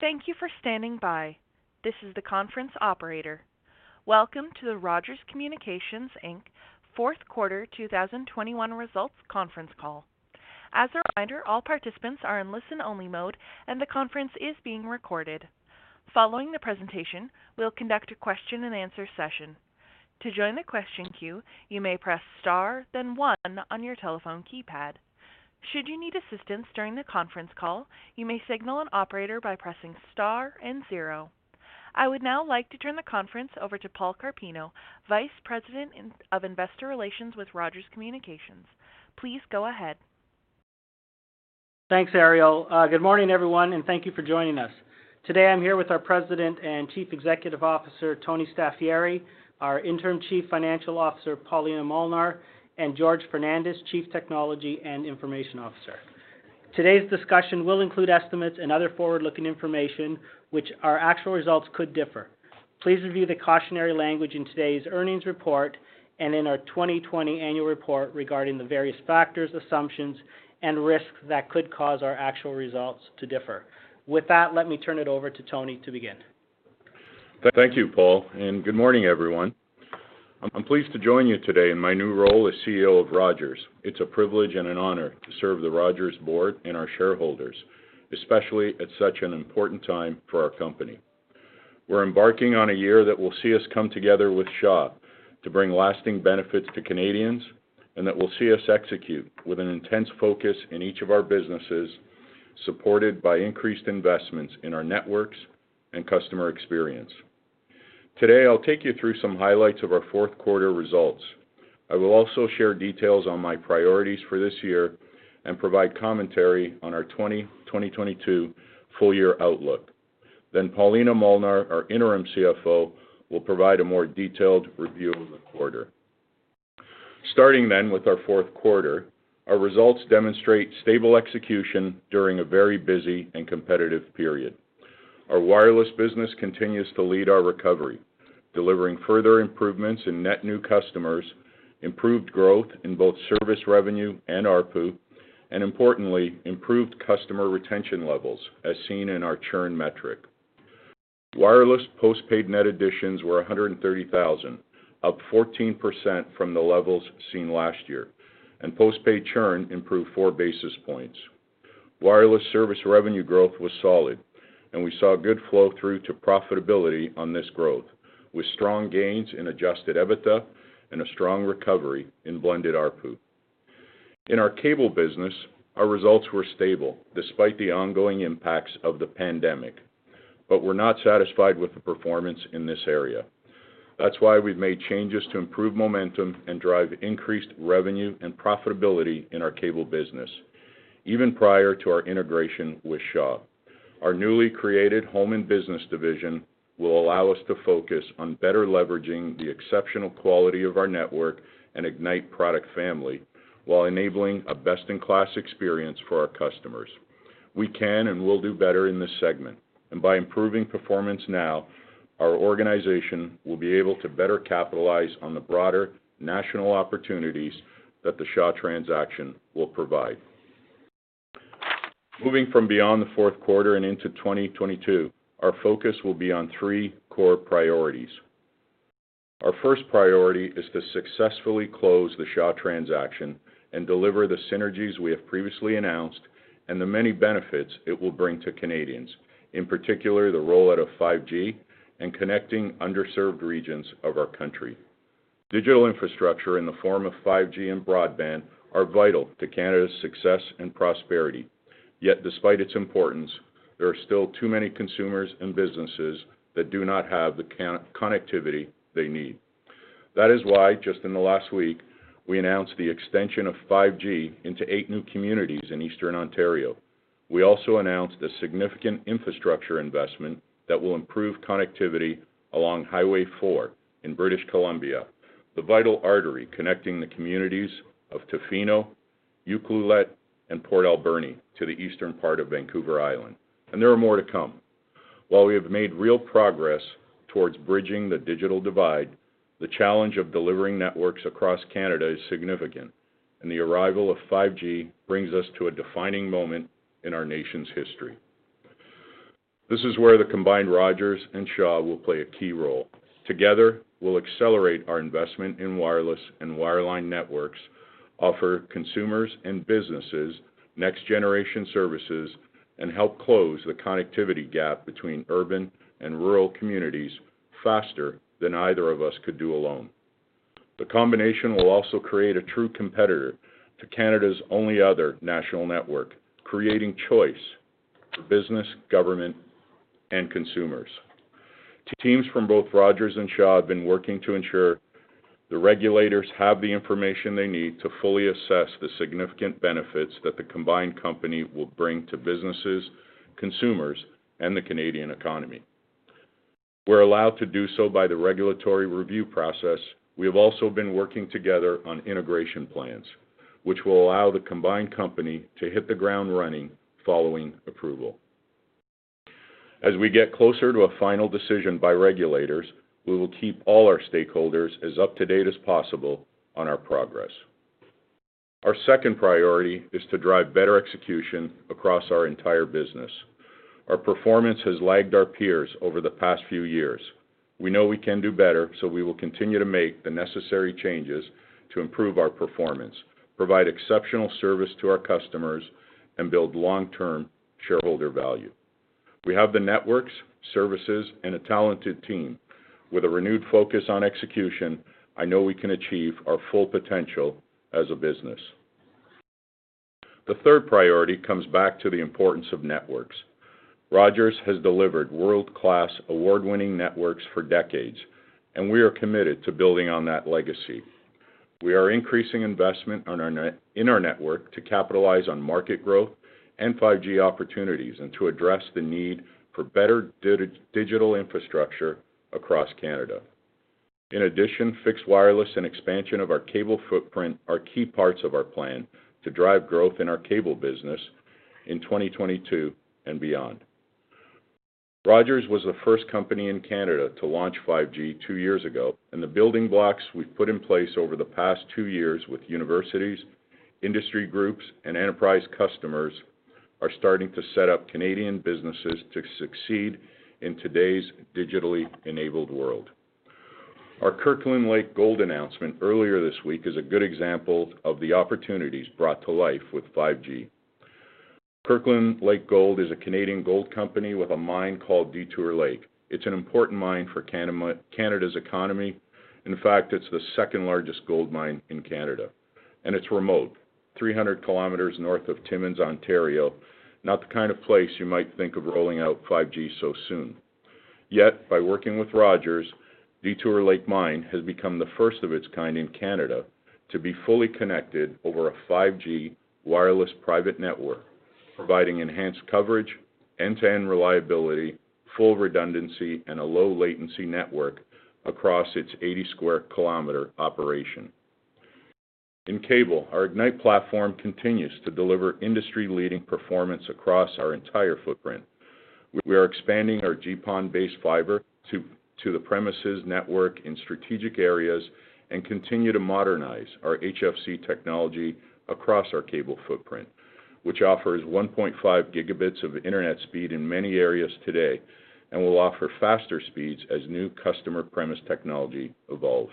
Thank you for standing by. This is the conference operator. Welcome to the Rogers Communications Inc. fourth quarter 2021 results conference call. As a reminder, all participants are in listen-only mode and the conference is being recorded. Following the presentation, we'll conduct a question-and-answer session. To join the question queue, you may press star then one on your telephone keypad. Should you need assistance during the conference call, you may signal an operator by pressing star and zero. I would now like to turn the conference over to Paul Carpino, Vice President of Investor Relations with Rogers Communications. Please go ahead. Thanks, Ariel. Good morning, everyone, and thank you for joining us. Today I'm here with our President and Chief Executive Officer, Tony Staffieri, our Interim Chief Financial Officer, Paulina Molnar, and Jorge Fernandes, Chief Technology and Information Officer. Today's discussion will include estimates and other forward-looking information which our actual results could differ. Please review the cautionary language in today's earnings report and in our 2020 annual report regarding the various factors, assumptions, and risks that could cause our actual results to differ. With that, let me turn it over to Tony to begin. Thank you, Paul, and good morning, everyone. I'm pleased to join you today in my new role as CEO of Rogers. It's a privilege and an honor to serve the Rogers board and our shareholders, especially at such an important time for our company. We're embarking on a year that will see us come together with Shaw to bring lasting benefits to Canadians and that will see us execute with an intense focus in each of our businesses, supported by increased investments in our networks and customer experience. Today, I'll take you through some highlights of our fourth quarter results. I will also share details on my priorities for this year and provide commentary on our 2022 full year outlook. Then Paulina Molnar, our Interim CFO, will provide a more detailed review of the quarter. Starting with our fourth quarter, our results demonstrate stable execution during a very busy and competitive period. Our wireless business continues to lead our recovery, delivering further improvements in net new customers, improved growth in both service revenue and ARPU, and importantly, improved customer retention levels, as seen in our churn metric. Wireless postpaid net additions were 130,000, up 14% from the levels seen last year, and postpaid churn improved four basis points. Wireless service revenue growth was solid, and we saw good flow through to profitability on this growth, with strong gains in adjusted EBITDA and a strong recovery in blended ARPU. In our cable business, our results were stable despite the ongoing impacts of the pandemic, but we're not satisfied with the performance in this area. That's why we've made changes to improve momentum and drive increased revenue and profitability in our cable business even prior to our integration with Shaw. Our newly created home and business division will allow us to focus on better leveraging the exceptional quality of our network and Ignite product family while enabling a best-in-class experience for our customers. We can and will do better in this segment and by improving performance now, our organization will be able to better capitalize on the broader national opportunities that the Shaw transaction will provide. Moving from beyond the fourth quarter and into 2022, our focus will be on three core priorities. Our first priority is to successfully close the Shaw transaction and deliver the synergies we have previously announced and the many benefits it will bring to Canadians, in particular, the rollout of 5G and connecting underserved regions of our country. Digital infrastructure in the form of 5G and broadband are vital to Canada's success and prosperity. Yet despite its importance, there are still too many consumers and businesses that do not have the connectivity they need. That is why, just in the last week, we announced the extension of 5G into eight new communities in Eastern Ontario. We also announced a significant infrastructure investment that will improve connectivity along Highway 4 in British Columbia, the vital artery connecting the communities of Tofino, Ucluelet, and Port Alberni to the eastern part of Vancouver Island. There are more to come. While we have made real progress towards bridging the digital divide, the challenge of delivering networks across Canada is significant, and the arrival of 5G brings us to a defining moment in our nation's history. This is where the combined Rogers and Shaw will play a key role. Together, we'll accelerate our investment in wireless and wireline networks, offer consumers and businesses next generation services, and help close the connectivity gap between urban and rural communities faster than either of us could do alone. The combination will also create a true competitor to Canada's only other national network, creating choice for business, government, and consumers. Teams from both Rogers and Shaw have been working to ensure the regulators have the information they need to fully assess the significant benefits that the combined company will bring to businesses, consumers, and the Canadian economy. We're allowed to do so by the regulatory review process. We have also been working together on integration plans, which will allow the combined company to hit the ground running following approval. As we get closer to a final decision by regulators, we will keep all our stakeholders as up to date as possible on our progress. Our second priority is to drive better execution across our entire business. Our performance has lagged our peers over the past few years. We know we can do better, so we will continue to make the necessary changes to improve our performance, provide exceptional service to our customers, and build long-term shareholder value. We have the networks, services, and a talented team. With a renewed focus on execution, I know we can achieve our full potential as a business. The third priority comes back to the importance of networks. Rogers has delivered world-class award-winning networks for decades, and we are committed to building on that legacy. We are increasing investment in our network to capitalize on market growth and 5G opportunities and to address the need for better digital infrastructure across Canada. In addition, fixed wireless and expansion of our cable footprint are key parts of our plan to drive growth in our cable business in 2022 and beyond. Rogers was the first company in Canada to launch 5G two years ago, and the building blocks we've put in place over the past two years with universities, industry groups, and enterprise customers are starting to set up Canadian businesses to succeed in today's digitally enabled world. Our Kirkland Lake Gold announcement earlier this week is a good example of the opportunities brought to life with 5G. Kirkland Lake Gold is a Canadian gold company with a mine called Detour Lake. It's an important mine for Canada's economy. In fact, it's the second largest gold mine in Canada, and it's remote, 300 km north of Timmins, Ontario. Not the kind of place you might think of rolling out 5G so soon. Yet, by working with Rogers, Detour Lake Mine has become the first of its kind in Canada to be fully connected over a 5G wireless private network, providing enhanced coverage, end-to-end reliability, full redundancy, and a low latency network across its 80 sq km operation. In cable, our Ignite platform continues to deliver industry-leading performance across our entire footprint. We are expanding our GPON-based fiber to the premises network in strategic areas and continue to modernize our HFC technology across our cable footprint, which offers 1.5 Gbps of internet speed in many areas today and will offer faster speeds as new customer premise technology evolves.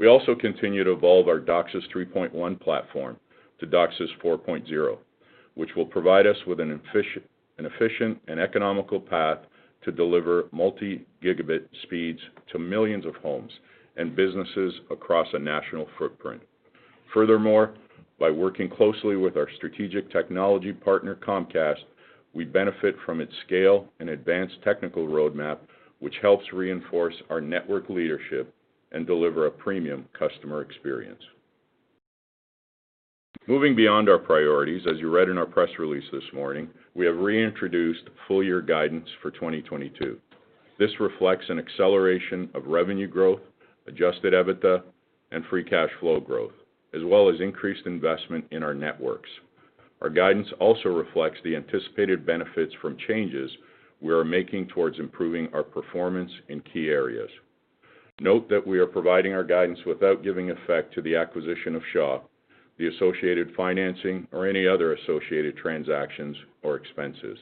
We also continue to evolve our DOCSIS 3.1 platform to DOCSIS 4.0, which will provide us with an efficient and economical path to deliver multi-gigabit speeds to millions of homes and businesses across a national footprint. Furthermore, by working closely with our strategic technology partner, Comcast, we benefit from its scale and advanced technical roadmap, which helps reinforce our network leadership and deliver a premium customer experience. Moving beyond our priorities, as you read in our press release this morning, we have reintroduced full year guidance for 2022. This reflects an acceleration of revenue growth, adjusted EBITDA and free cash flow growth, as well as increased investment in our networks. Our guidance also reflects the anticipated benefits from changes we are making towards improving our performance in key areas. Note that we are providing our guidance without giving effect to the acquisition of Shaw, the associated financing, or any other associated transactions or expenses.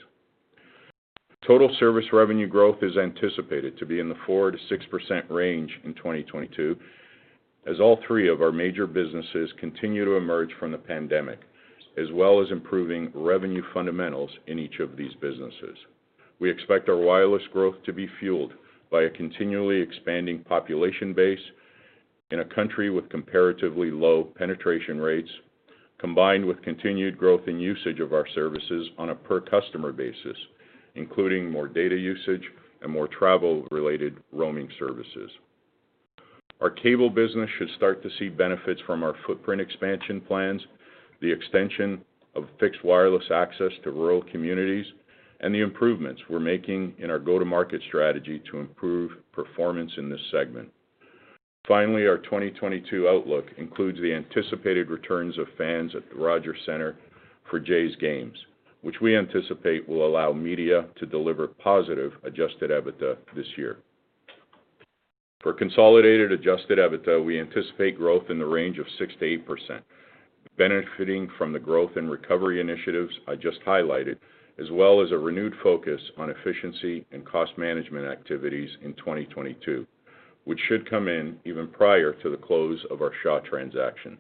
Total service revenue growth is anticipated to be in the 4%-6% range in 2022, as all three of our major businesses continue to emerge from the pandemic, as well as improving revenue fundamentals in each of these businesses. We expect our wireless growth to be fueled by a continually expanding population base in a country with comparatively low penetration rates, combined with continued growth in usage of our services on a per customer basis, including more data usage and more travel related roaming services. Our cable business should start to see benefits from our footprint expansion plans, the extension of fixed wireless access to rural communities, and the improvements we're making in our go-to-market strategy to improve performance in this segment. Finally, our 2022 outlook includes the anticipated returns of fans at the Rogers Centre for Jays games, which we anticipate will allow media to deliver positive adjusted EBITDA this year. For consolidated adjusted EBITDA, we anticipate growth in the range of 6%-8%, benefiting from the growth and recovery initiatives I just highlighted, as well as a renewed focus on efficiency and cost management activities in 2022, which should come in even prior to the close of our Shaw transaction.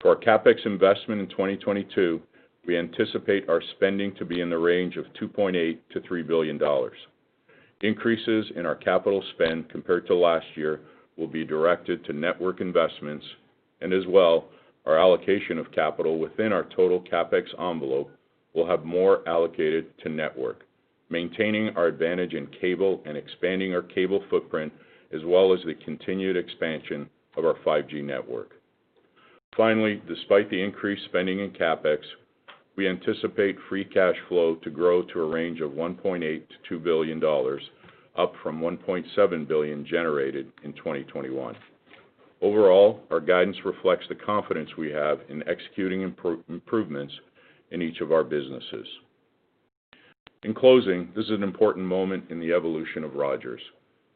For our CapEx investment in 2022, we anticipate our spending to be in the range of 2.8 billion-3 billion dollars. Increases in our capital spend compared to last year will be directed to network investments, and as well, our allocation of capital within our total CapEx envelope will have more allocated to network, maintaining our advantage in cable and expanding our cable footprint, as well as the continued expansion of our 5G network. Finally, despite the increased spending in CapEx, we anticipate free cash flow to grow to a range of 1.8 billion-2 billion dollars, up from 1.7 billion generated in 2021. Overall, our guidance reflects the confidence we have in executing improvements in each of our businesses. In closing, this is an important moment in the evolution of Rogers.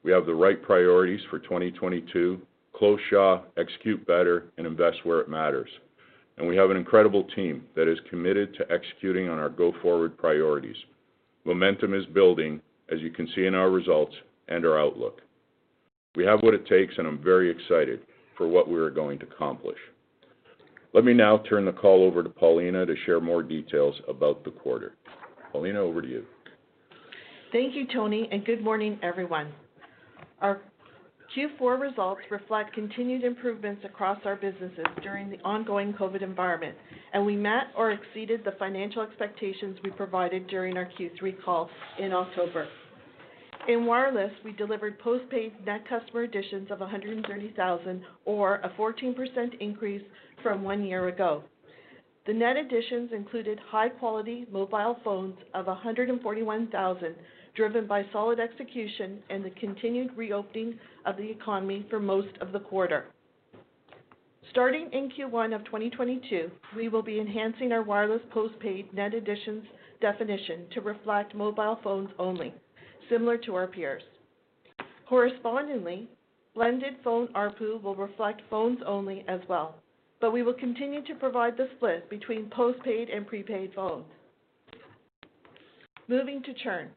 We have the right priorities for 2022, close Shaw, execute better, and invest where it matters, and we have an incredible team that is committed to executing on our go-forward priorities. Momentum is building as you can see in our results and our outlook. We have what it takes, and I'm very excited for what we are going to accomplish. Let me now turn the call over to Paulina to share more details about the quarter. Paulina, over to you. Thank you, Tony, and good morning, everyone. Our Q4 results reflect continued improvements across our businesses during the ongoing COVID environment, and we met or exceeded the financial expectations we provided during our Q3 call in October. In wireless, we delivered postpaid net customer additions of 130,000 or a 14% increase from one year ago. The net additions included high-quality mobile phones of 141,000, driven by solid execution and the continued reopening of the economy for most of the quarter. Starting in Q1 of 2022, we will be enhancing our wireless postpaid net additions definition to reflect mobile phones only, similar to our peers. Correspondingly, blended phone ARPU will reflect phones only as well, but we will continue to provide the split between postpaid and prepaid phones. Moving to churn.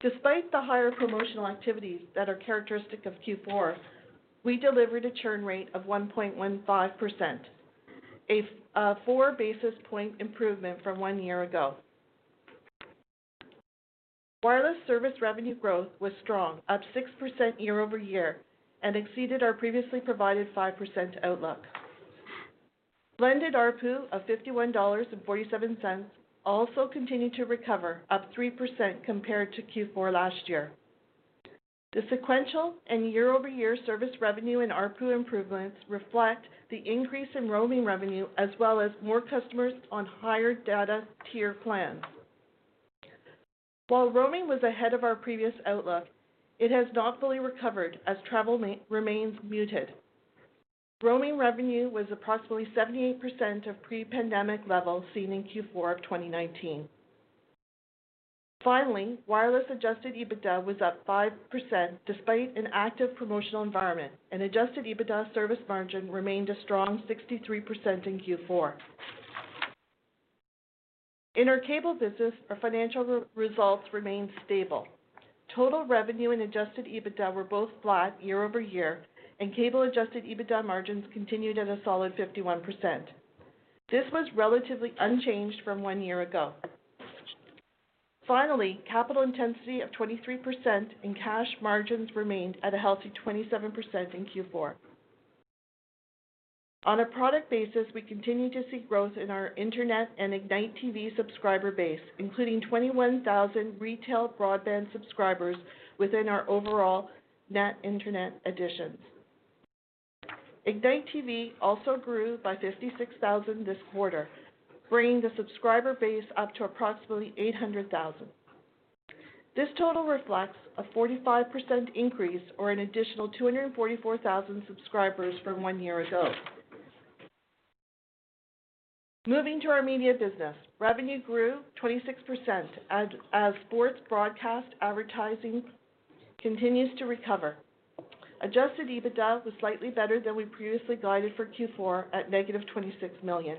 Despite the higher promotional activities that are characteristic of Q4, we delivered a churn rate of 1.15%, a 4 basis points improvement from one year ago. Wireless service revenue growth was strong, up 6% year-over-year and exceeded our previously provided 5% outlook. Blended ARPU of 51.47 dollars also continued to recover, up 3% compared to Q4 last year. The sequential and year-over-year service revenue and ARPU improvements reflect the increase in roaming revenue, as well as more customers on higher data tier plans. While roaming was ahead of our previous outlook, it has not fully recovered as travel remains muted. Roaming revenue was approximately 78% of pre-pandemic levels seen in Q4 of 2019. Finally, wireless adjusted EBITDA was up 5% despite an active promotional environment, and adjusted EBITDA service margin remained a strong 63% in Q4. In our cable business, our financial results remained stable. Total revenue and adjusted EBITDA were both flat year-over-year, and cable adjusted EBITDA margins continued at a solid 51%. This was relatively unchanged from one year ago. Finally, capital intensity of 23% and cash margins remained at a healthy 27% in Q4. On a product basis, we continue to see growth in our internet and Ignite TV subscriber base, including 21,000 retail broadband subscribers within our overall net internet additions. Ignite TV also grew by 56,000 this quarter, bringing the subscriber base up to approximately 800,000. This total reflects a 45% increase or an additional 244,000 subscribers from one year ago. Moving to our media business. Revenue grew 26% as sports broadcast advertising continues to recover. Adjusted EBITDA was slightly better than we previously guided for Q4 at -26 million.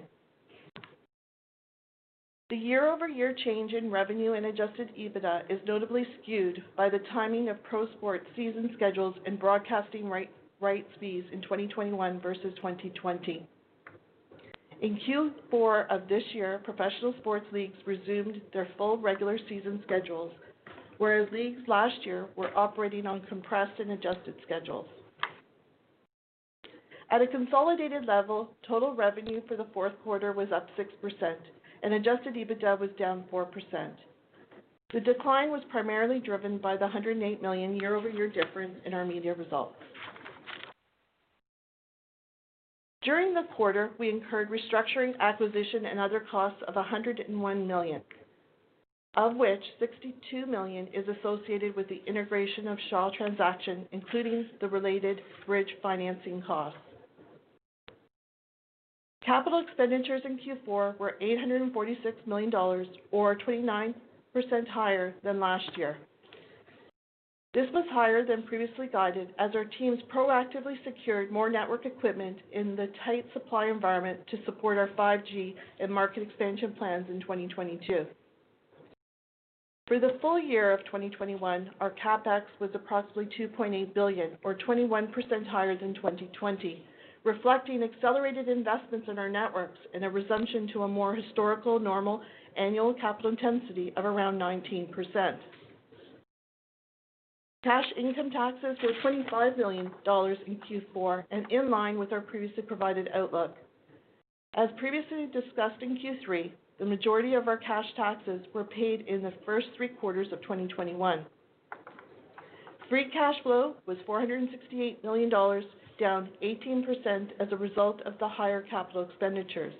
The year-over-year change in revenue and adjusted EBITDA is notably skewed by the timing of pro sports season schedules and broadcasting rights fees in 2021 versus 2020. In Q4 of this year, professional sports leagues resumed their full regular season schedules, whereas leagues last year were operating on compressed and adjusted schedules. At a consolidated level, total revenue for the fourth quarter was up 6% and adjusted EBITDA was down 4%. The decline was primarily driven by the 108 million year-over-year difference in our media results. During the quarter, we incurred restructuring, acquisition, and other costs of 101 million, of which 62 million is associated with the integration of Shaw transaction, including the related bridge financing costs. Capital expenditures in Q4 were 846 million dollars or 29% higher than last year. This was higher than previously guided as our teams proactively secured more network equipment in the tight supply environment to support our 5G and market expansion plans in 2022. For the full year of 2021, our CapEx was approximately 2.8 billion or 21% higher than 2020, reflecting accelerated investments in our networks and a resumption to a more historical normal annual capital intensity of around 19%. Cash income taxes were 25 million dollars in Q4 and in line with our previously provided outlook. As previously discussed in Q3, the majority of our cash taxes were paid in the first three quarters of 2021. Free cash flow was 468 million dollars, down 18% as a result of the higher capital expenditures.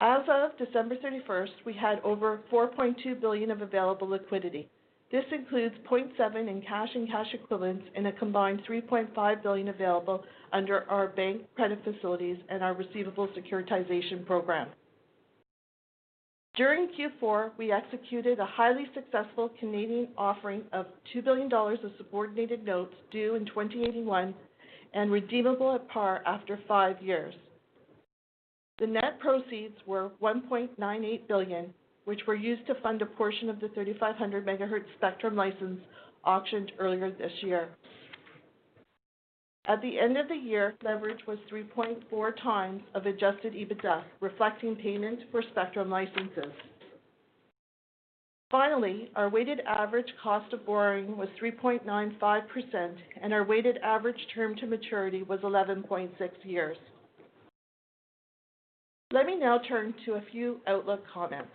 As of December 31st, we had over 4.2 billion of available liquidity. This includes 0.7 billion in cash and cash equivalents and a combined 3.5 billion available under our bank credit facilities and our receivable securitization program. During Q4, we executed a highly successful Canadian offering of 2 billion dollars of subordinated notes due in 2081 and redeemable at par after 5 years. The net proceeds were 1.98 billion, which were used to fund a portion of the 3,500 MHz spectrum license auctioned earlier this year. At the end of the year, leverage was 3.4x adjusted EBITDA, reflecting payment for spectrum licenses. Finally, our weighted average cost of borrowing was 3.95%, and our weighted average term to maturity was 11.6 years. Let me now turn to a few outlook comments.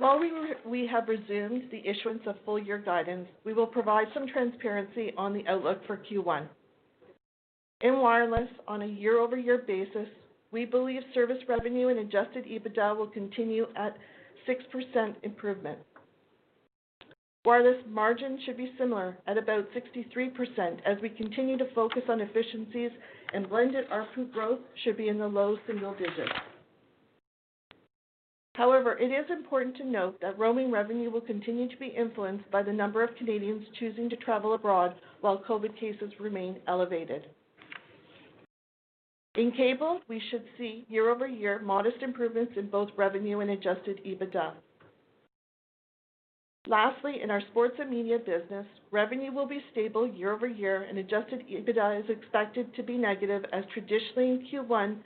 While we have resumed the issuance of full year guidance, we will provide some transparency on the outlook for Q1. In wireless on a year-over-year basis, we believe service revenue and adjusted EBITDA will continue at 6% improvement. Wireless margin should be similar at about 63% as we continue to focus on efficiencies and blended ARPU growth should be in the low single digits. However, it is important to note that roaming revenue will continue to be influenced by the number of Canadians choosing to travel abroad while COVID cases remain elevated. In cable, we should see year-over-year modest improvements in both revenue and adjusted EBITDA. Lastly, in our sports and media business, revenue will be stable year-over-year and adjusted EBITDA is expected to be negative as traditionally in Q1,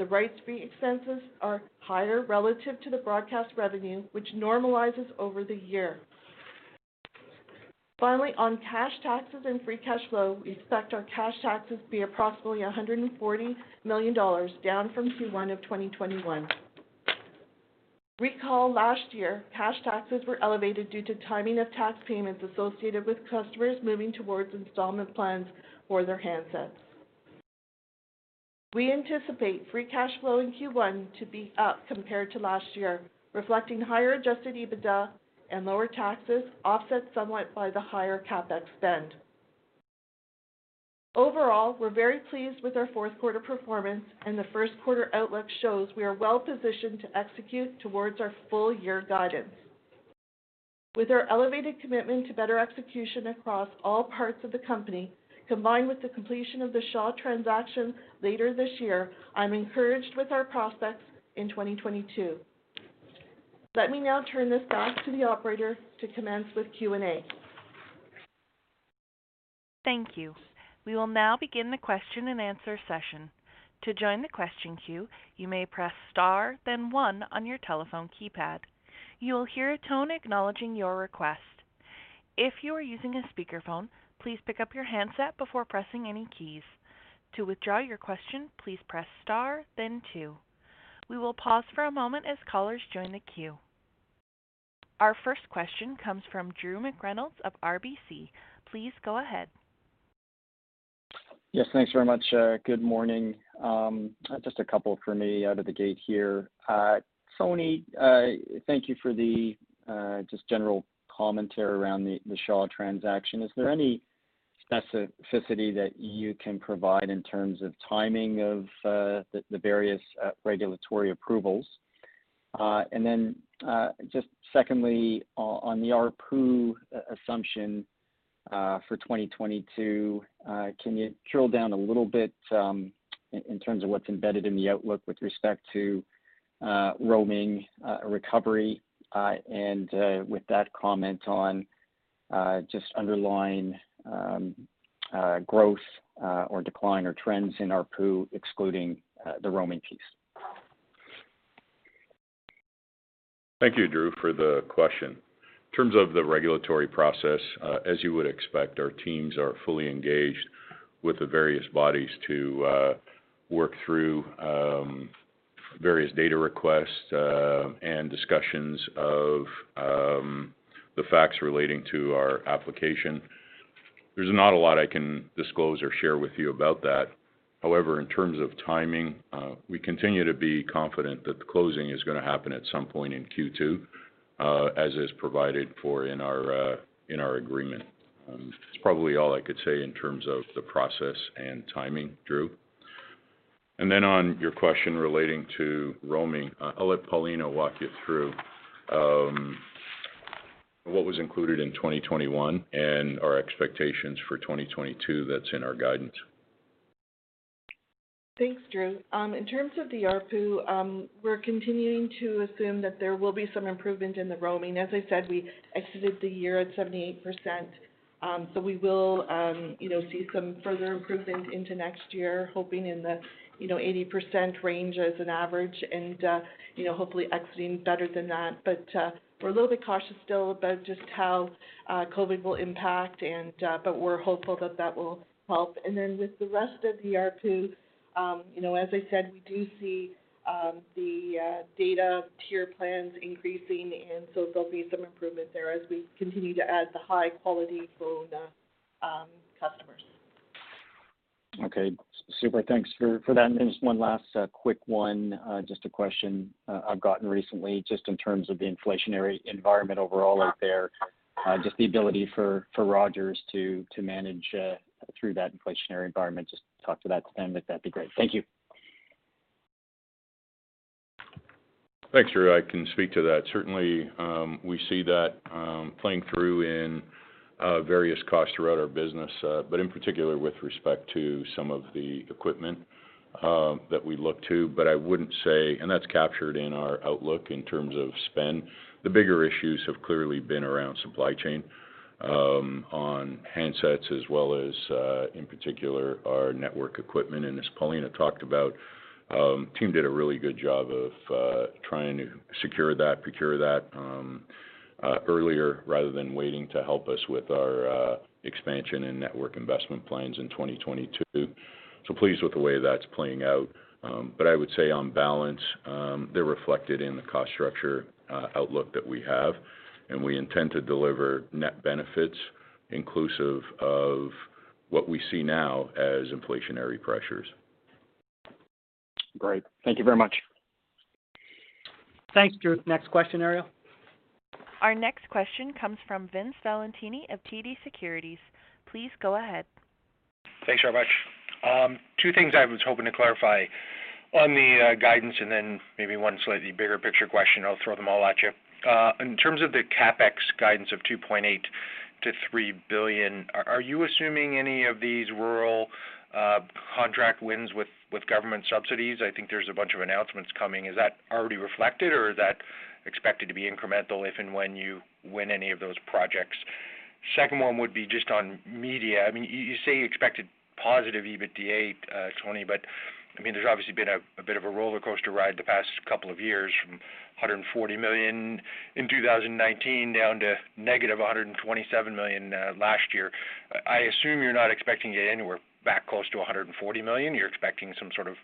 the rights fee expenses are higher relative to the broadcast revenue, which normalizes over the year. Finally, on cash taxes and free cash flow, we expect our cash taxes to be approximately 140 million dollars down from Q1 of 2021. Recall last year, cash taxes were elevated due to timing of tax payments associated with customers moving towards installment plans for their handsets. We anticipate free cash flow in Q1 to be up compared to last year, reflecting higher adjusted EBITDA and lower taxes offset somewhat by the higher CapEx spend. Overall, we're very pleased with our fourth quarter performance, and the first quarter outlook shows we are well positioned to execute towards our full year guidance. With our elevated commitment to better execution across all parts of the company, combined with the completion of the Shaw transaction later this year, I'm encouraged with our prospects in 2022. Let me now turn this back to the operator to commence with Q&A. Thank you. We will now begin the question-and-answer session. To join the question queue, you may press star then one on your telephone keypad. You will hear a tone acknowledging your request. If you are using a speakerphone, please pick up your handset before pressing any keys. To withdraw your question, please press star then two. We will pause for a moment as callers join the queue. Our first question comes from Drew McReynolds of RBC. Please go ahead. Yes, thanks very much. Good morning. Just a couple for me out of the gate here. Tony, thank you for the just general commentary around the Shaw transaction. Is there any specificity that you can provide in terms of timing of the various regulatory approvals? And then, just secondly, on the ARPU assumption for 2022, can you drill down a little bit, in terms of what's embedded in the outlook with respect to roaming recovery, and with that comment on just underlying growth or decline or trends in ARPU excluding the roaming piece? Thank you, Drew, for the question. In terms of the regulatory process, as you would expect, our teams are fully engaged with the various bodies to work through various data requests and discussions of the facts relating to our application. There's not a lot I can disclose or share with you about that. However, in terms of timing, we continue to be confident that the closing is gonna happen at some point in Q2, as is provided for in our agreement. That's probably all I could say in terms of the process and timing, Drew. On your question relating to roaming, I'll let Paulina walk you through what was included in 2021 and our expectations for 2022 that's in our guidance. Thanks, Drew. In terms of the ARPU, we're continuing to assume that there will be some improvement in the roaming. As I said, we exited the year at 78%. We will, you know, see some further improvement into next year, hoping in the, you know, 80% range as an average and, you know, hopefully exiting better than that. We're a little bit cautious still about just how, COVID will impact and, but we're hopeful that that will help. With the rest of the ARPU, you know, as I said, we do see, the, data tier plans increasing, and so there'll be some improvement there as we continue to add the high-quality phone, customers. Okay. Super. Thanks for that. Just one last quick one. Just a question I've gotten recently, just in terms of the inflationary environment overall out there, just the ability for Rogers to manage through that inflationary environment. Just talk to that statement, that'd be great. Thank you. Thanks, Drew. I can speak to that. Certainly, we see that playing through in various costs throughout our business, but in particular with respect to some of the equipment that we look to. I wouldn't say. That's captured in our outlook in terms of spend. The bigger issues have clearly been around supply chain on handsets as well as, in particular, our network equipment. As Paulina talked about, team did a really good job of trying to secure that, procure that, earlier rather than waiting to help us with our expansion and network investment plans in 2022. Pleased with the way that's playing out. I would say on balance, they're reflected in the cost structure outlook that we have, and we intend to deliver net benefits inclusive of what we see now as inflationary pressures. Great. Thank you very much. Thanks, Drew. Next question, Ariel. Our next question comes from Vince Valentini of TD Securities. Please go ahead. Thanks very much. Two things I was hoping to clarify on the guidance and then maybe one slightly bigger picture question. I'll throw them all at you. In terms of the CapEx guidance of 2.8 billion-3 billion, are you assuming any of these rural contract wins with government subsidies? I think there's a bunch of announcements coming. Is that already reflected or is that expected to be incremental if and when you win any of those projects? Second one would be just on media. I mean, you say you expected positive EBITDA, Tony, but I mean, there's obviously been a bit of a rollercoaster ride the past couple of years from 140 million in 2019 down to -127 million last year. I assume you're not expecting it anywhere back close to 140 million. You're expecting some sort of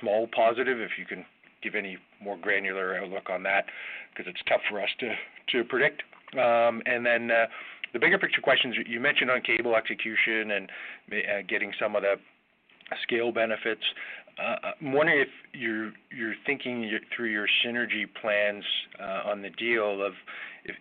small positive, if you can give any more granular outlook on that, 'cause it's tough for us to predict. The bigger picture questions, you mentioned on cable execution and maybe getting some of the scale benefits. I'm wondering if you're thinking through your synergy plans on the deal or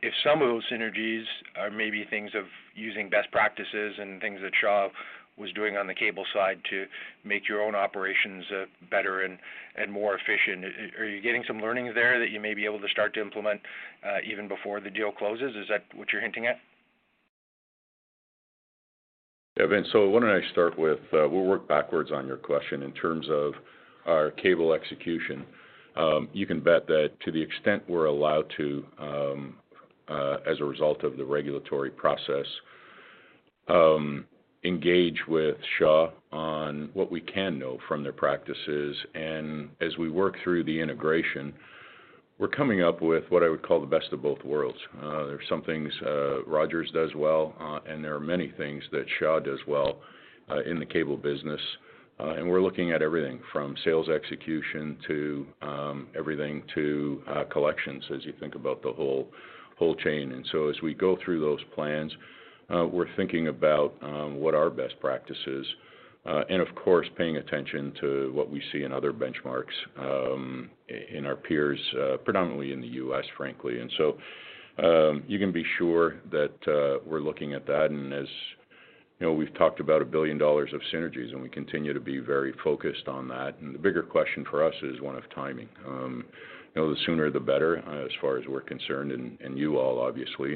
if some of those synergies are maybe things of using best practices and things that Shaw was doing on the cable side to make your own operations better and more efficient. Are you getting some learnings there that you may be able to start to implement even before the deal closes? Is that what you're hinting at? Yeah, Vince. Why don't I start with we'll work backwards on your question in terms of our cable execution. You can bet that to the extent we're allowed to, as a result of the regulatory process, engage with Shaw on what we can know from their practices. As we work through the integration, we're coming up with what I would call the best of both worlds. There's some things Rogers does well, and there are many things that Shaw does well in the cable business. We're looking at everything from sales execution to everything to collections as you think about the whole chain. As we go through those plans, we're thinking about what are our best practices, and of course, paying attention to what we see in other benchmarks in our peers, predominantly in the U.S., frankly. You can be sure that we're looking at that. As you know, we've talked about 1 billion dollars of synergies, and we continue to be very focused on that. The bigger question for us is one of timing. You know, the sooner the better, as far as we're concerned, and you all obviously.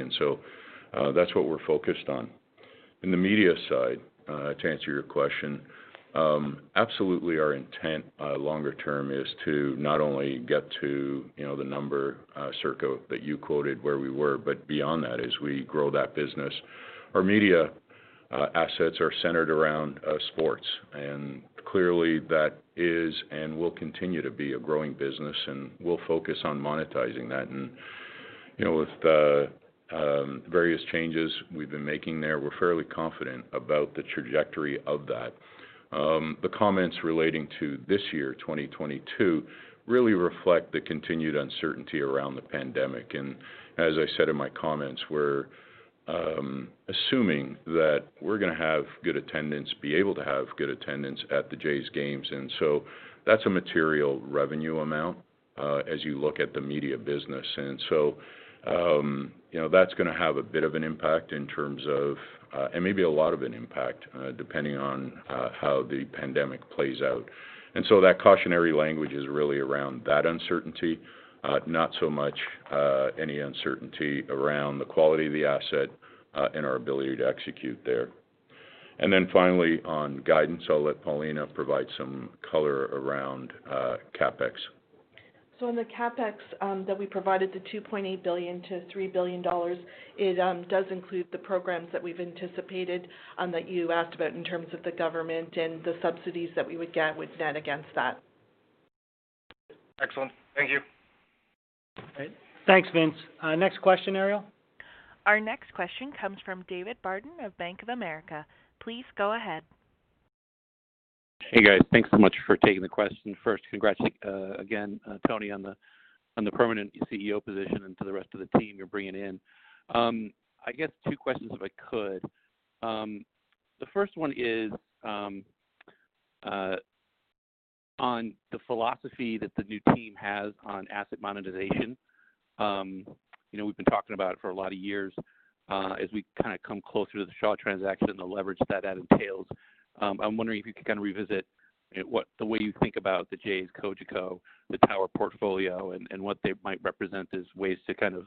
That's what we're focused on. In the media side, to answer your question, absolutely our intent, longer term is to not only get to, you know, the number, circa that you quoted where we were, but beyond that as we grow that business. Our media assets are centered around sports, and clearly that is and will continue to be a growing business, and we'll focus on monetizing that. You know, with the various changes we've been making there, we're fairly confident about the trajectory of that. The comments relating to this year, 2022, really reflect the continued uncertainty around the pandemic. As I said in my comments, we're assuming that we're gonna have good attendance at the Jays games, and that's a material revenue amount, as you look at the media business. You know, that's gonna have a bit of an impact in terms of, and maybe a lot of an impact, depending on how the pandemic plays out. That cautionary language is really around that uncertainty, not so much, any uncertainty around the quality of the asset, and our ability to execute there. Finally, on guidance, I'll let Paulina provide some color around CapEx. On the CapEx that we provided, the 2.8 billion-3 billion dollars, it does include the programs that we've anticipated that you asked about in terms of the government and the subsidies that we would get which net against that. Excellent. Thank you. Great. Thanks, Vince. Next question, Ariel. Our next question comes from David Barden of Bank of America. Please go ahead. Hey, guys. Thanks so much for taking the question. First, congrats again, Tony, on the permanent CEO position and to the rest of the team you're bringing in. I guess two questions if I could. The first one is on the philosophy that the new team has on asset monetization. You know, we've been talking about it for a lot of years. As we kind of come closer to the Shaw transaction and the leverage that that entails, I'm wondering if you could kind of revisit the way you think about the Jays, Cogeco, the tower portfolio, and what they might represent as ways to kind of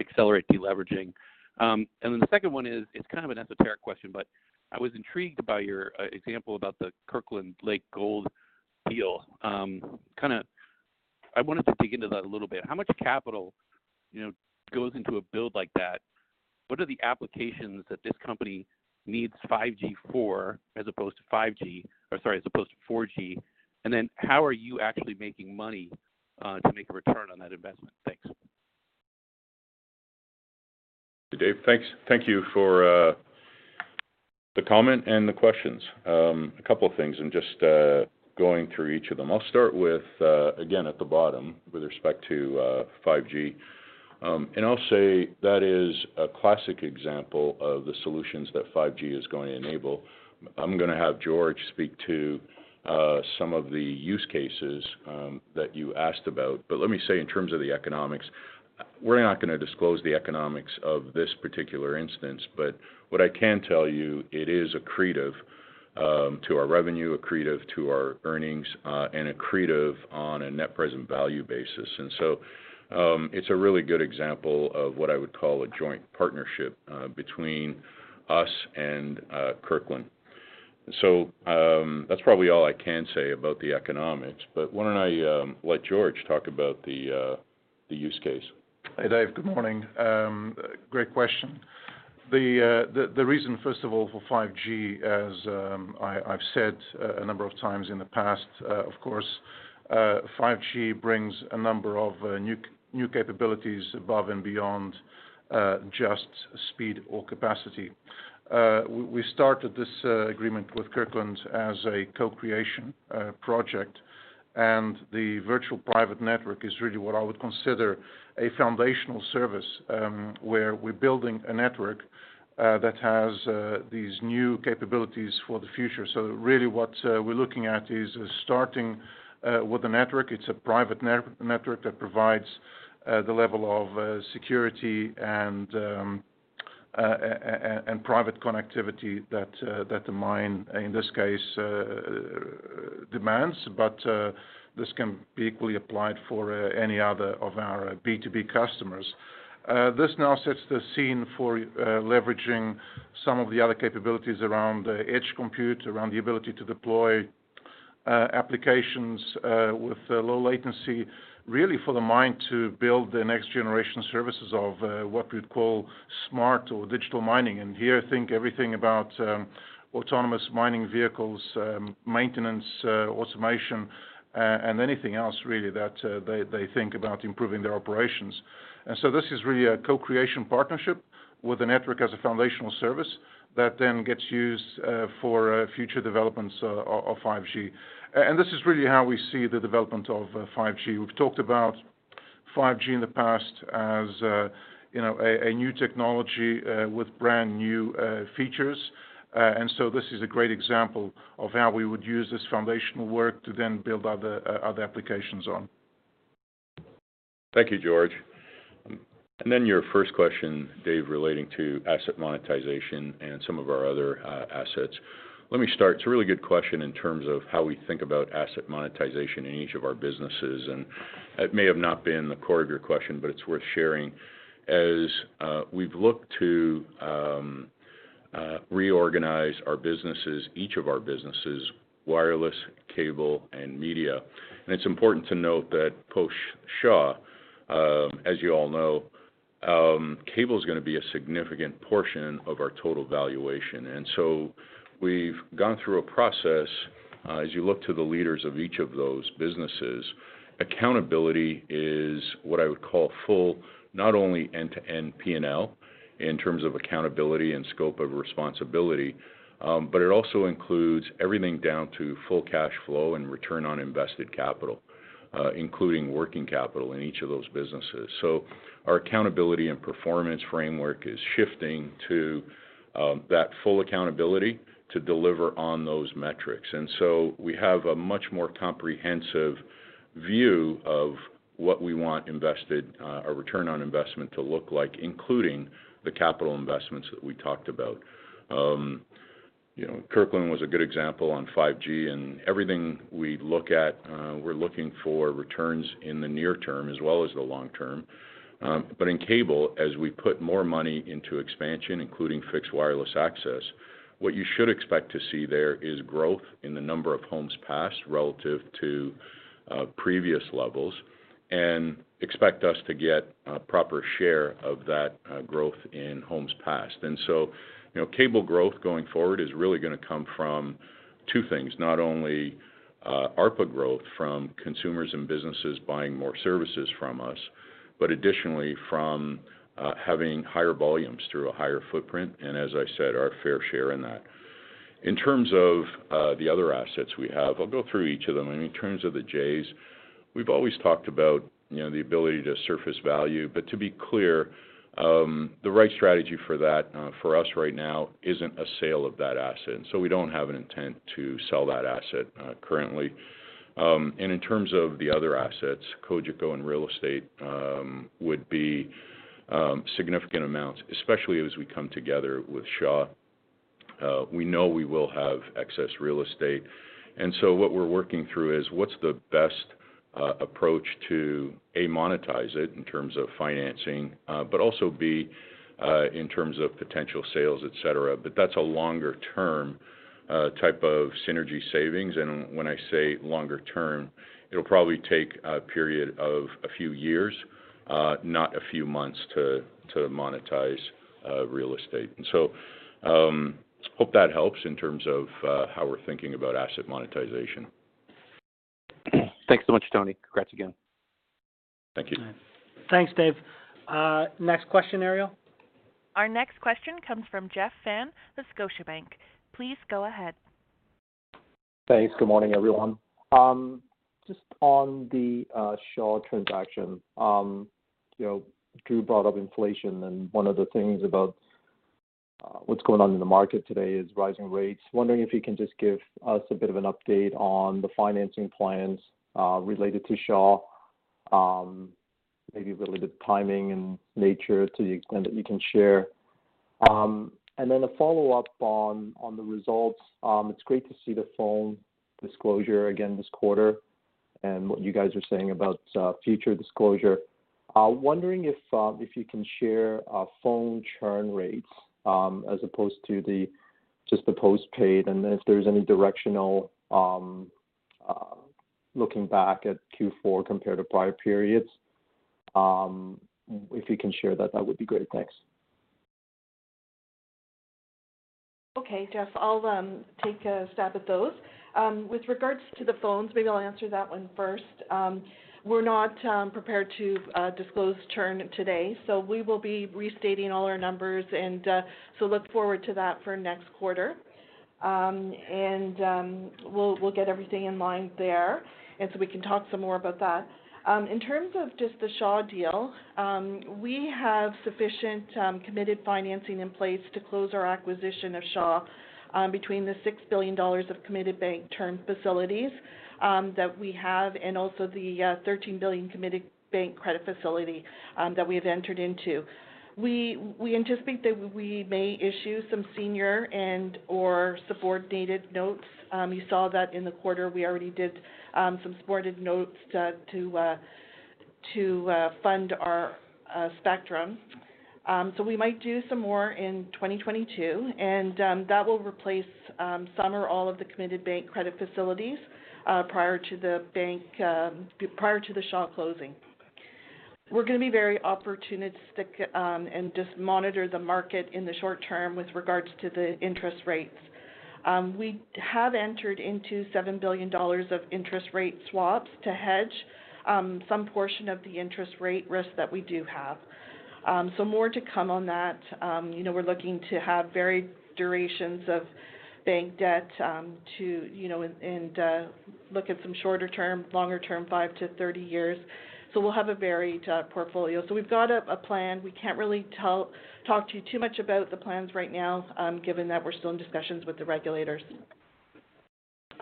accelerate deleveraging. The second one is, it's kind of an esoteric question, but I was intrigued by your example about the Kirkland Lake Gold deal. Kind of, I wanted to dig into that a little bit. How much capital, you know, goes into a build like that? What are the applications that this company needs 5G for as opposed to 4G? Then how are you actually making money to make a return on that investment? Thanks. Dave, thanks. Thank you for the comment and the questions. A couple of things and just going through each of them. I'll start with again at the bottom with respect to 5G. I'll say that is a classic example of the solutions that 5G is going to enable. I'm gonna have Jorge speak to some of the use cases that you asked about. Let me say in terms of the economics, we're not gonna disclose the economics of this particular instance. What I can tell you, it is accretive to our revenue, accretive to our earnings, and accretive on a net present value basis. It's a really good example of what I would call a joint partnership between us and Kirkland Lake Gold. That's probably all I can say about the economics. Why don't I let Jorge talk about the use case. Hey, Dave. Good morning. Great question. The reason, first of all, for 5G, as I've said a number of times in the past, of course, 5G brings a number of new capabilities above and beyond just speed or capacity. We started this agreement with Kirkland Lake Gold as a co-creation project, and the virtual private network is really what I would consider a foundational service, where we're building a network that has these new capabilities for the future. Really what we're looking at is starting with a network. It's a private network that provides the level of security and private connectivity that the mine, in this case, demands. This can be equally applied for any other of our B2B customers. This now sets the scene for leveraging some of the other capabilities around edge compute, around the ability to deploy applications with low latency, really for the mine to build the next generation services of what we'd call smart or digital mining. Here, think everything about autonomous mining vehicles, maintenance, automation, and anything else really that they think about improving their operations. This is really a co-creation partnership with the network as a foundational service that then gets used for future developments of 5G. This is really how we see the development of 5G. We've talked about 5G in the past as you know a new technology with brand-new features. This is a great example of how we would use this foundational work to then build other applications on. Thank you, Jorge. Your first question, Dave, relating to asset monetization and some of our other assets. Let me start. It's a really good question in terms of how we think about asset monetization in each of our businesses, and it may have not been the core of your question, but it's worth sharing. As we've looked to reorganize our businesses, each of our businesses, Wireless, Cable, and Media, and it's important to note that post-Shaw, as you all know, Cable is gonna be a significant portion of our total valuation. We've gone through a process, as you look to the leaders of each of those businesses, accountability is what I would call full, not only end-to-end P&L in terms of accountability and scope of responsibility, but it also includes everything down to full cash flow and return on invested capital, including working capital in each of those businesses. Our accountability and performance framework is shifting to that full accountability to deliver on those metrics. We have a much more comprehensive view of what we want invested, or return on investment to look like, including the capital investments that we talked about. You know, Kirkland was a good example on 5G, and everything we look at, we're looking for returns in the near term as well as the long term. in cable, as we put more money into expansion, including fixed wireless access, what you should expect to see there is growth in the number of homes passed relative to previous levels, and expect us to get a proper share of that growth in homes passed. You know, cable growth going forward is really gonna come from two things, not only ARPU growth from consumers and businesses buying more services from us, but additionally from having higher volumes through a higher footprint, and as I said, our fair share in that. In terms of the other assets we have, I'll go through each of them. In terms of the Jays, we've always talked about, you know, the ability to surface value. To be clear, the right strategy for that for us right now isn't a sale of that asset, so we don't have an intent to sell that asset currently. In terms of the other assets, Cogeco and real estate would be significant amounts, especially as we come together with Shaw. We know we will have excess real estate. What we're working through is what's the best approach to, A, monetize it in terms of financing, but also, B, in terms of potential sales, et cetera. That's a longer-term type of synergy savings. When I say longer-term, it'll probably take a period of a few years, not a few months to monetize real estate. Hope that helps in terms of how we're thinking about asset monetization. Thanks so much, Tony. Congrats again. Thank you. Thanks, Dave. Next question, Ariel. Our next question comes from Jeff Fan at Scotiabank. Please go ahead. Thanks. Good morning, everyone. Just on the Shaw transaction. You know, Drew brought up inflation, and one of the things about what's going on in the market today is rising rates. Wondering if you can just give us a bit of an update on the financing plans related to Shaw, maybe a little bit of timing and nature to the extent that you can share. And then a follow-up on the results. It's great to see the phone disclosure again this quarter and what you guys are saying about future disclosure. Wondering if you can share phone churn rates as opposed to just the postpaid and if there's any directional looking back at Q4 compared to prior periods. If you can share that would be great. Thanks. Okay, Jeff, I'll take a stab at those. With regards to the phones, maybe I'll answer that one first. We're not prepared to disclose churn today, so we will be restating all our numbers and so look forward to that for next quarter. We'll get everything in line there, and so we can talk some more about that. In terms of just the Shaw deal, we have sufficient committed financing in place to close our acquisition of Shaw, between the 6 billion dollars of committed bank term facilities that we have and also the 13 billion committed bank credit facility that we have entered into. We anticipate that we may issue some senior and/or subordinated notes. You saw that in the quarter. We already did some senior notes to fund our spectrum. We might do some more in 2022, and that will replace some or all of the committed bank credit facilities prior to the Shaw closing. We're gonna be very opportunistic and just monitor the market in the short term with regards to the interest rates. We have entered into 7 billion dollars of interest rate swaps to hedge some portion of the interest rate risk that we do have. More to come on that. You know, we're looking to have varied durations of bank debt to you know and look at some shorter term, longer term, five to 30 years. We'll have a varied portfolio. We've got a plan. We can't really talk to you too much about the plans right now, given that we're still in discussions with the regulators.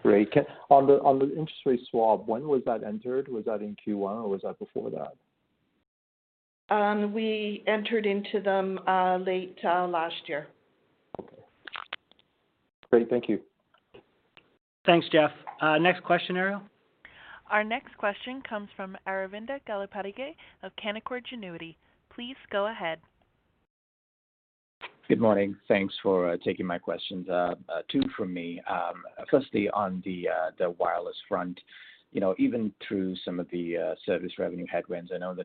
Great. On the interest rate swap, when was that entered? Was that in Q1 or was that before that? We entered into them late last year. Okay. Great. Thank you. Thanks, Jeff. Next question, Ariel. Our next question comes from Aravinda Galappatthige of Canaccord Genuity. Please go ahead. Good morning, thanks for taking my questions. Two from me. Firstly, on the wireless front, you know, even through some of the service revenue headwinds and on the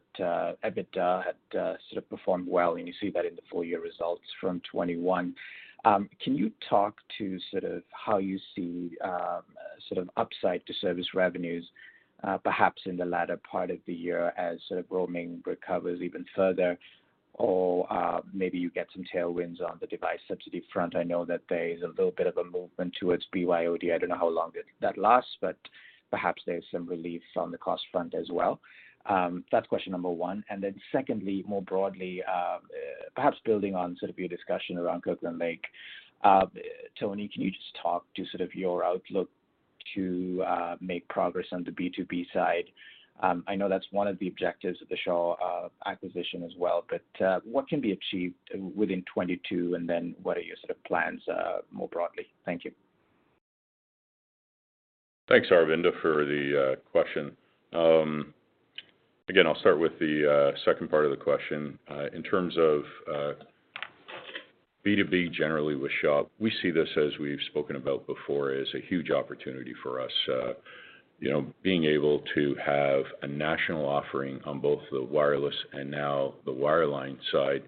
EBITDA had sort of performed well and you see that in the full year results from 2021. Can you talk to sort of how you see sort of upside to service revenues perhaps on the latter part of the year as it will main recover even further or maybe you get some tailwinds on the device subsidy front. I know that there is a little bit of a movement towards BYOD, I don't know how long it that lasts, but perhaps there's some reliefs on the cost front as well. That's question number one. And then secondly, more broadly, perhaps building on sort of your discussion around Kirkland Lake. Tony, can you just talk to sort of your outlook to make progress on the B2B side? I know that's one of the objectives of the Shaw acquisition as well, but what can be achieved within 2022? And then what are your sort of plans more broadly? Thank you. Thanks, Aravinda, for the question. Again, I'll start with the second part of the question. In terms of B2B generally with Shaw, we see this, as we've spoken about before, as a huge opportunity for us. You know, being able to have a national offering on both the wireless and now the wireline side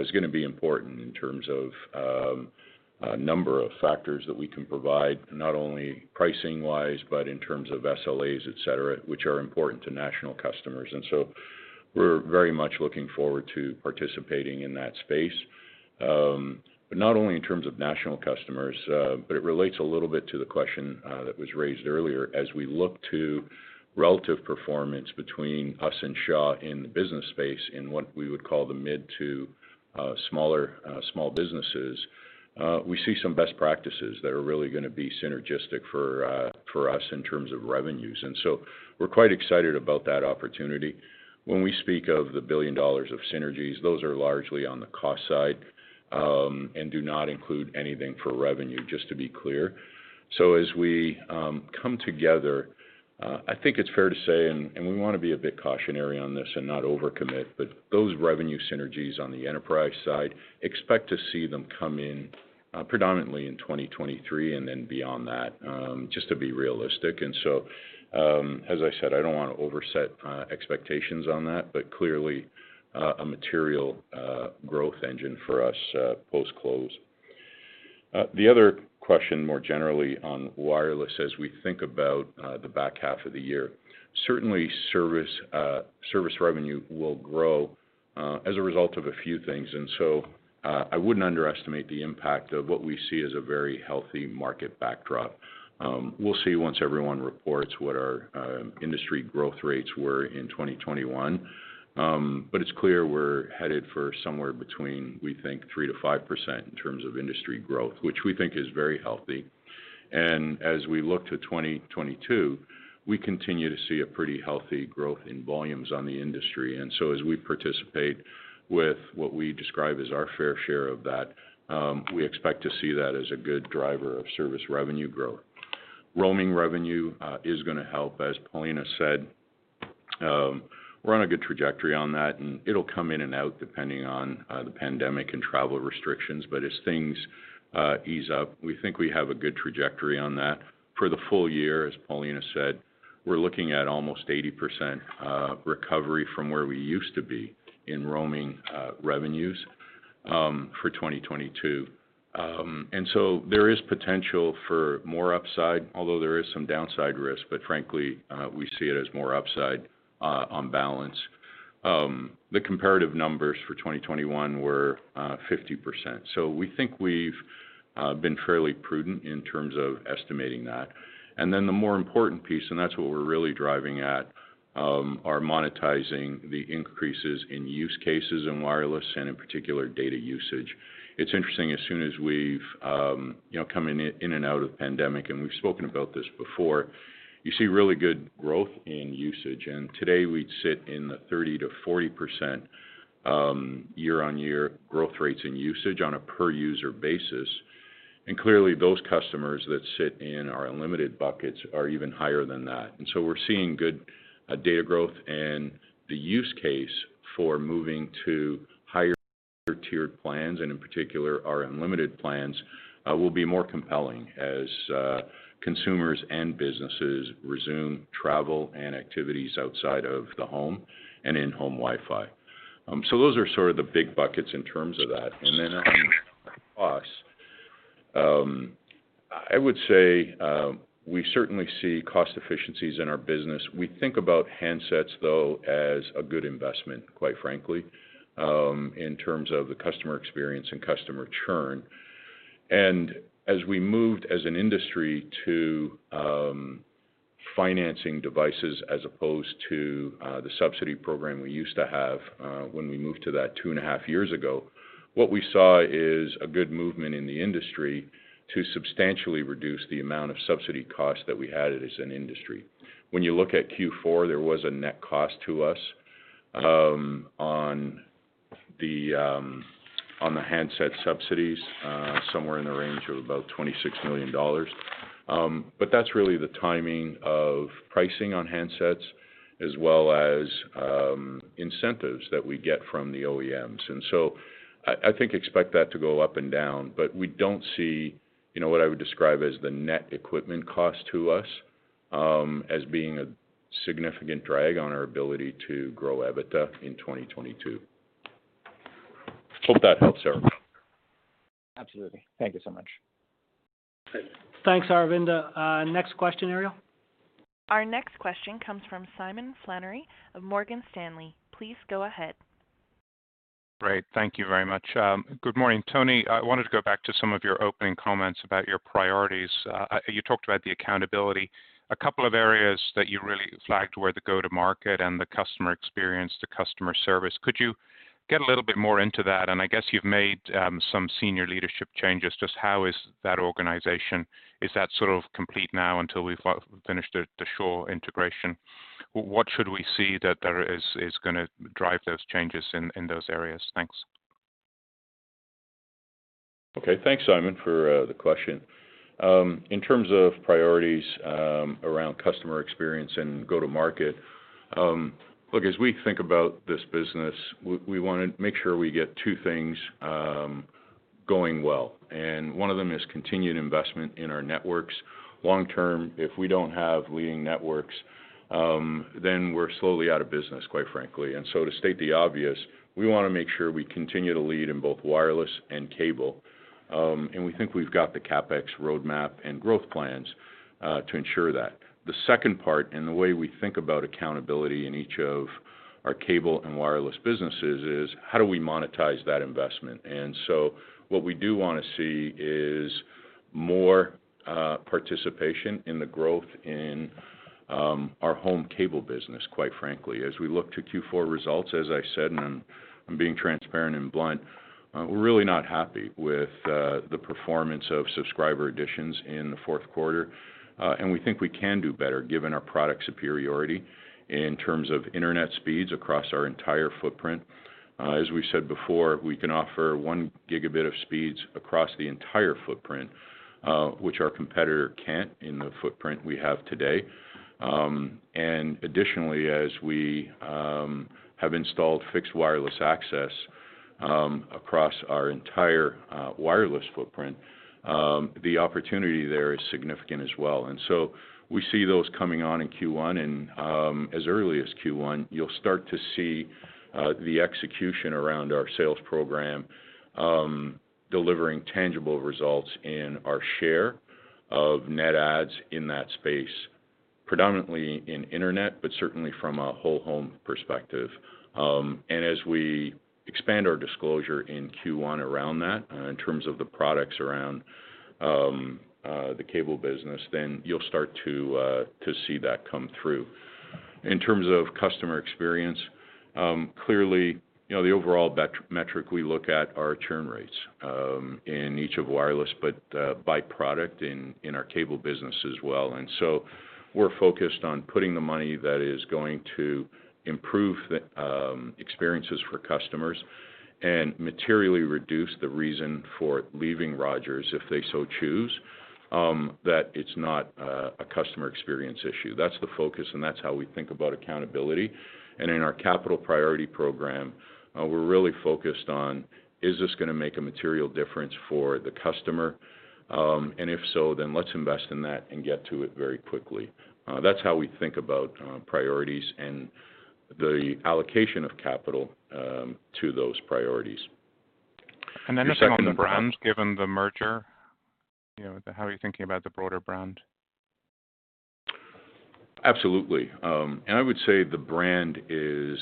is gonna be important in terms of a number of factors that we can provide, not only pricing-wise, but in terms of SLAs, et cetera, which are important to national customers. We're very much looking forward to participating in that space. But not only in terms of national customers, but it relates a little bit to the question that was raised earlier. As we look to relative performance between us and Shaw in the business space in what we would call the mid- to small businesses, we see some best practices that are really gonna be synergistic for us in terms of revenues. We're quite excited about that opportunity. When we speak of the 1 billion dollars of synergies, those are largely on the cost side, and do not include anything for revenue, just to be clear. As we come together, I think it's fair to say, and we wanna be a bit cautionary on this and not over-commit, but those revenue synergies on the enterprise side, expect to see them come in predominantly in 2023 and then beyond that, just to be realistic. As I said, I don't wanna overstate expectations on that, but clearly, a material growth engine for us post-close. The other question more generally on wireless as we think about the back half of the year. Certainly service revenue will grow as a result of a few things. I wouldn't underestimate the impact of what we see as a very healthy market backdrop. We'll see once everyone reports what our industry growth rates were in 2021. It's clear we're headed for somewhere between, we think, 3%-5% in terms of industry growth, which we think is very healthy. As we look to 2022, we continue to see a pretty healthy growth in volumes on the industry. As we participate with what we describe as our fair share of that, we expect to see that as a good driver of service revenue growth. Roaming revenue is gonna help. As Paulina said, we're on a good trajectory on that, and it'll come in and out depending on the pandemic and travel restrictions. But as things ease up, we think we have a good trajectory on that. For the full year, as Paulina said, we're looking at almost 80% recovery from where we used to be in roaming revenues for 2022. There is potential for more upside, although there is some downside risk, but frankly, we see it as more upside on balance. The comparative numbers for 2021 were 50%. We think we've been fairly prudent in terms of estimating that. Then the more important piece, and that's what we're really driving at, are monetizing the increases in use cases in wireless and in particular data usage. It's interesting, as soon as we've coming in and out of pandemic, and we've spoken about this before, you see really good growth in usage. Today we'd sit in the 30%-40% year-on-year growth rates in usage on a per user basis. Clearly those customers that sit in our unlimited buckets are even higher than that. We're seeing good data growth and the use case for moving to higher tiered plans, and in particular our unlimited plans will be more compelling as consumers and businesses resume travel and activities outside of the home and in-home Wi-Fi. Those are sort of the big buckets in terms of that. Us, I would say, we certainly see cost efficiencies in our business. We think about handsets, though, as a good investment, quite frankly, in terms of the customer experience and customer churn. As we moved as an industry to financing devices as opposed to the subsidy program we used to have, when we moved to that two and a half years ago, what we saw is a good movement in the industry to substantially reduce the amount of subsidy costs that we had as an industry. When you look at Q4, there was a net cost to us on the handset subsidies somewhere in the range of about 26 million dollars. That's really the timing of pricing on handsets as well as incentives that we get from the OEMs. I think expect that to go up and down, but we don't see, you know, what I would describe as the net equipment cost to us, as being a significant drag on our ability to grow EBITDA in 2022. Hope that helps, Aravinda. Absolutely. Thank you so much. Good. Thanks, Aravinda. Next question, Ariel. Our next question comes from Simon Flannery of Morgan Stanley. Please go ahead. Great. Thank you very much. Good morning. Tony, I wanted to go back to some of your opening comments about your priorities. You talked about the accountability. A couple of areas that you really flagged were the go-to-market and the customer experience, the customer service. Could you get a little bit more into that? I guess you've made some senior leadership changes. Just how is that organization? Is that sort of complete now until we've finished the Shaw integration? What should we see that is gonna drive those changes in those areas? Thanks. Okay. Thanks, Simon, for the question. In terms of priorities, around customer experience and go-to-market, look, as we think about this business, we wanna make sure we get two things going well, and one of them is continued investment in our networks. Long term, if we don't have leading networks, then we're slowly out of business, quite frankly. To state the obvious, we wanna make sure we continue to lead in both wireless and cable. We think we've got the CapEx roadmap and growth plans to ensure that. The second part, and the way we think about accountability in each of our cable and wireless businesses, is how do we monetize that investment? What we do wanna see is more participation in the growth in our home cable business, quite frankly. As we look to Q4 results, as I said, I'm being transparent and blunt. We're really not happy with the performance of subscriber additions in the fourth quarter. We think we can do better given our product superiority in terms of internet speeds across our entire footprint. As we've said before, we can offer one gigabit of speeds across the entire footprint, which our competitor can't in the footprint we have today. Additionally, as we have installed fixed wireless access across our entire wireless footprint, the opportunity there is significant as well. We see those coming on in Q1. As early as Q1, you'll start to see the execution around our sales program delivering tangible results in our share of net adds in that space, predominantly in internet, but certainly from a whole home perspective. As we expand our disclosure in Q1 around that in terms of the products around the cable business, then you'll start to see that come through. In terms of customer experience, clearly, you know, the overall metric we look at are churn rates in each of wireless, but by product in our cable business as well. We're focused on putting the money that is going to improve the experiences for customers and materially reduce the reason for leaving Rogers if they so choose that it's not a customer experience issue. That's the focus, and that's how we think about accountability. In our capital priority program, we're really focused on, is this gonna make a material difference for the customer? If so, then let's invest in that and get to it very quickly. That's how we think about priorities and the allocation of capital to those priorities. Just on the brands, given the merger, you know, how are you thinking about the broader brand? Absolutely. I would say the brand is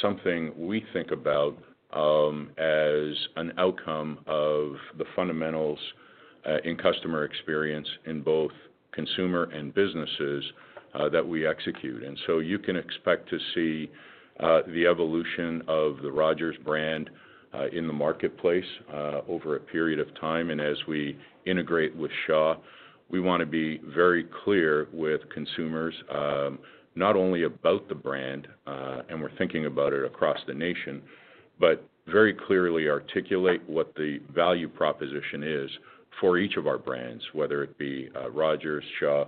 something we think about as an outcome of the fundamentals in customer experience in both consumer and businesses that we execute. You can expect to see the evolution of the Rogers brand in the marketplace over a period of time. As we integrate with Shaw, we wanna be very clear with consumers not only about the brand and we're thinking about it across the nation, but very clearly articulate what the value proposition is for each of our brands, whether it be Rogers, Shaw,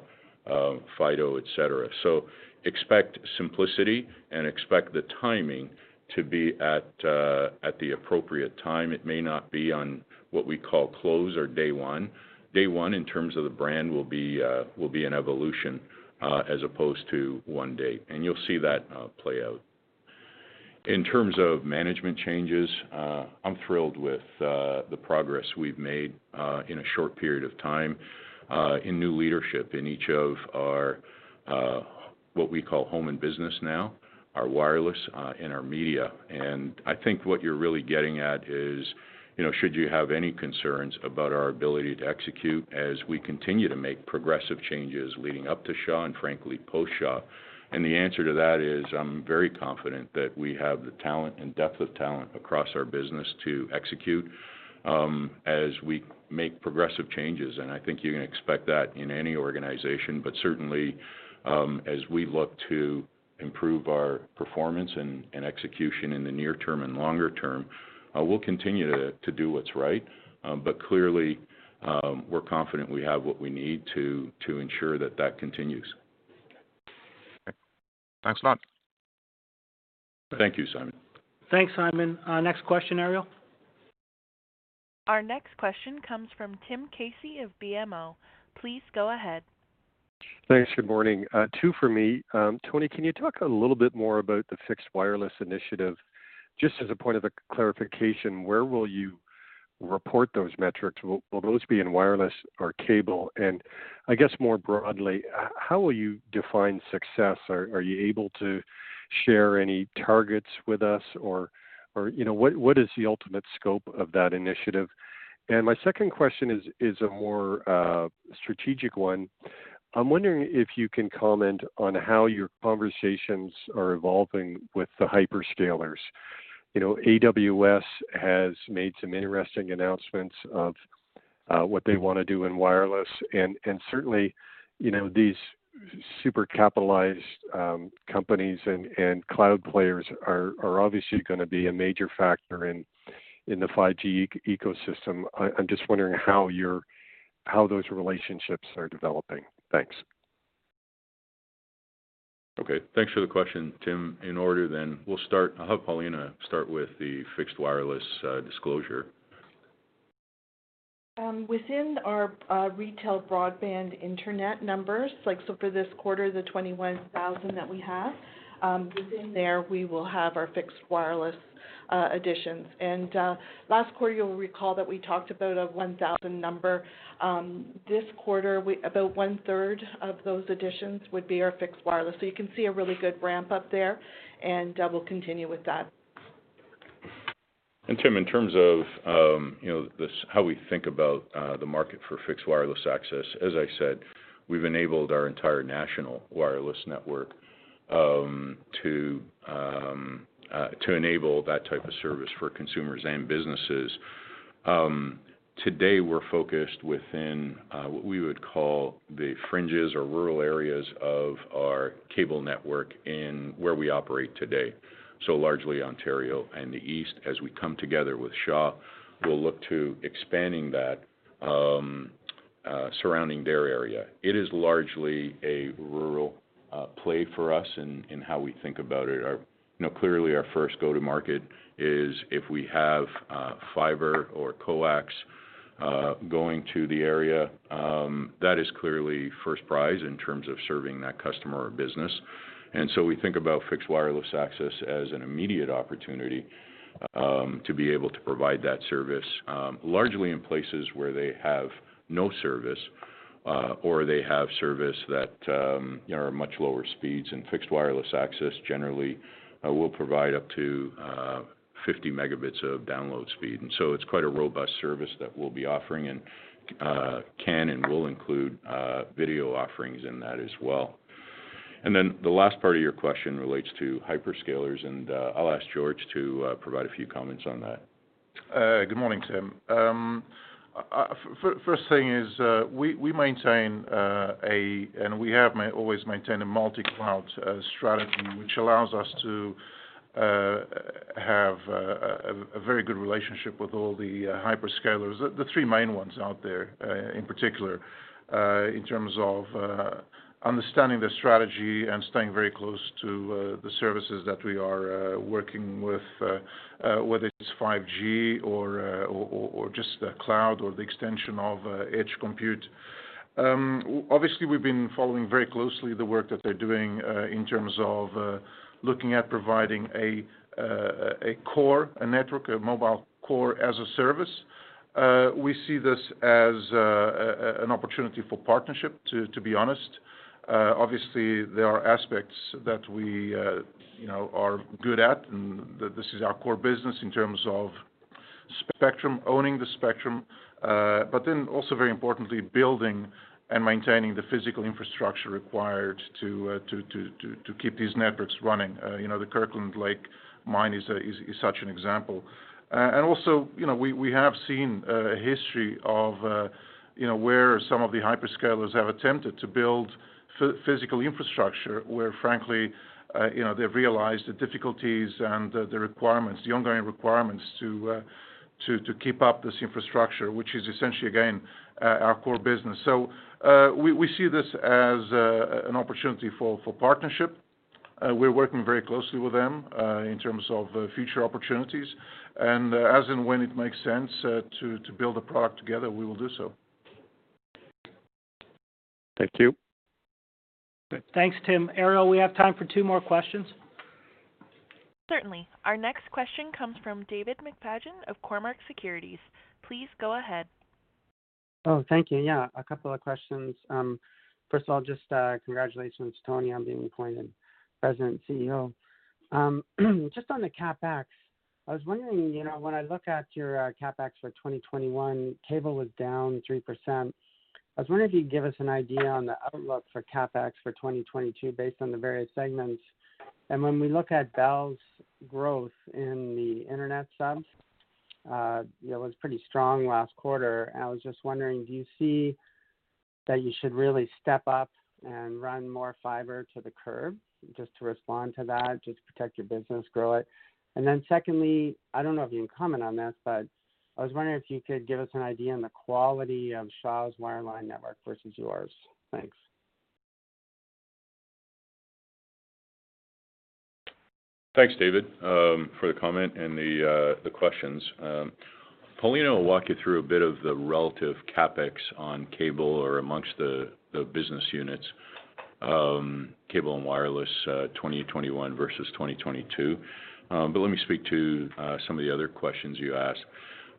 Fido, et cetera. Expect simplicity and expect the timing to be at the appropriate time. It may not be on what we call close or day one. Day one, in terms of the brand, will be an evolution as opposed to one date, and you'll see that play out. In terms of management changes, I'm thrilled with the progress we've made in a short period of time in new leadership in each of our what we call home and business now, our wireless, and our media. I think what you're really getting at is, you know, should you have any concerns about our ability to execute as we continue to make progressive changes leading up to Shaw and frankly, post-Shaw. The answer to that is I'm very confident that we have the talent and depth of talent across our business to execute as we make progressive changes, and I think you can expect that in any organization. Certainly, as we look to improve our performance and execution in the near term and longer term, we'll continue to do what's right. Clearly, we're confident we have what we need to ensure that continues. Thanks a lot. Thank you, Simon. Thanks, Simon. Next question, Ariel. Our next question comes from Tim Casey of BMO. Please go ahead. Thanks, good morning. Two for me. Tony, can you talk a little bit more about the fixed wireless initiative? Just as a point of clarification, where will you report those metrics? Will those be in wireless or cable? And I guess more broadly, how will you define success? Are you able to share any targets with us or, you know, what is the ultimate scope of that initiative? And my second question is a more strategic one. I'm wondering if you can comment on how your conversations are evolving with the hyperscalers. You know, AWS has made some interesting announcements of what they wanna do in wireless. And certainly, you know, these super capitalized companies and cloud players are obviously gonna be a major factor in the 5G ecosystem. I'm just wondering how those relationships are developing. Thanks. Okay. Thanks for the question, Tim. In order, we'll start. I'll have Paulina start with the fixed wireless disclosure. Within our retail broadband internet numbers, like so for this quarter, the 21,000 that we have, within there we will have our fixed wireless additions. Last quarter, you'll recall that we talked about a 1,000 number. This quarter, about one-third of those additions would be our fixed wireless. You can see a really good ramp-up there, and we'll continue with that. Tim, in terms of, you know, this, how we think about the market for fixed wireless access, as I said, we've enabled our entire national wireless network to enable that type of service for consumers and businesses. Today we're focused within what we would call the fringes or rural areas of our cable network in where we operate today, so largely Ontario and the East. As we come together with Shaw, we'll look to expanding that surrounding their area. It is largely a rural play for us in how we think about it. You know, clearly our first go-to-market is if we have fiber or coax going to the area that is clearly first prize in terms of serving that customer or business. We think about fixed wireless access as an immediate opportunity to be able to provide that service largely in places where they have no service or they have service that you know are much lower speeds. Fixed wireless access generally will provide up to 50 Mbps of download speed. It's quite a robust service that we'll be offering and can and will include video offerings in that as well. The last part of your question relates to hyperscalers and I'll ask Jorge Fernandes to provide a few comments on that. Good morning, Tim. First thing is, we maintain and we have always maintained a multi-cloud strategy, which allows us to have a very good relationship with all the hyperscalers, the three main ones out there, in particular in terms of understanding their strategy and staying very close to the services that we are working with, whether it's 5G or just the cloud or the extension of edge compute. Obviously we've been following very closely the work that they're doing in terms of looking at providing a core, a network, a mobile core as a service. We see this as an opportunity for partnership, to be honest. Obviously there are aspects that we, you know, are good at, and this is our core business in terms of spectrum, owning the spectrum, but then also very importantly, building and maintaining the physical infrastructure required to keep these networks running. You know, the Kirkland Lake Gold mine is such an example. Also, you know, we have seen a history of, you know, where some of the hyperscalers have attempted to build physical infrastructure, where frankly, you know, they've realized the difficulties and the requirements, the ongoing requirements to keep up this infrastructure, which is essentially, again, our core business. We see this as an opportunity for partnership. We're working very closely with them in terms of future opportunities. As and when it makes sense to build a product together, we will do so. Thank you. Thanks, Tim. Ariel, we have time for two more questions. Certainly. Our next question comes from David McFadgen of Cormark Securities. Please go ahead. Oh, thank you. Yeah, a couple of questions. First of all, just congratulations, Tony, on being appointed President and CEO. Just on the CapEx, I was wondering, you know, when I look at your CapEx for 2021, cable was down 3%. I was wondering if you could give us an idea on the outlook for CapEx for 2022 based on the various segments. When we look at Bell's growth in the internet subs, it was pretty strong last quarter. I was just wondering, do you see that you should really step up and run more fiber to the curb just to respond to that, just protect your business, grow it? Secondly, I don't know if you can comment on this, but I was wondering if you could give us an idea on the quality of Shaw's wireline network versus yours. Thanks. Thanks, David, for the comment and the questions. Paulina will walk you through a bit of the relative CapEx on cable or amongst the business units, cable and wireless, 2021 versus 2022. Let me speak to some of the other questions you asked.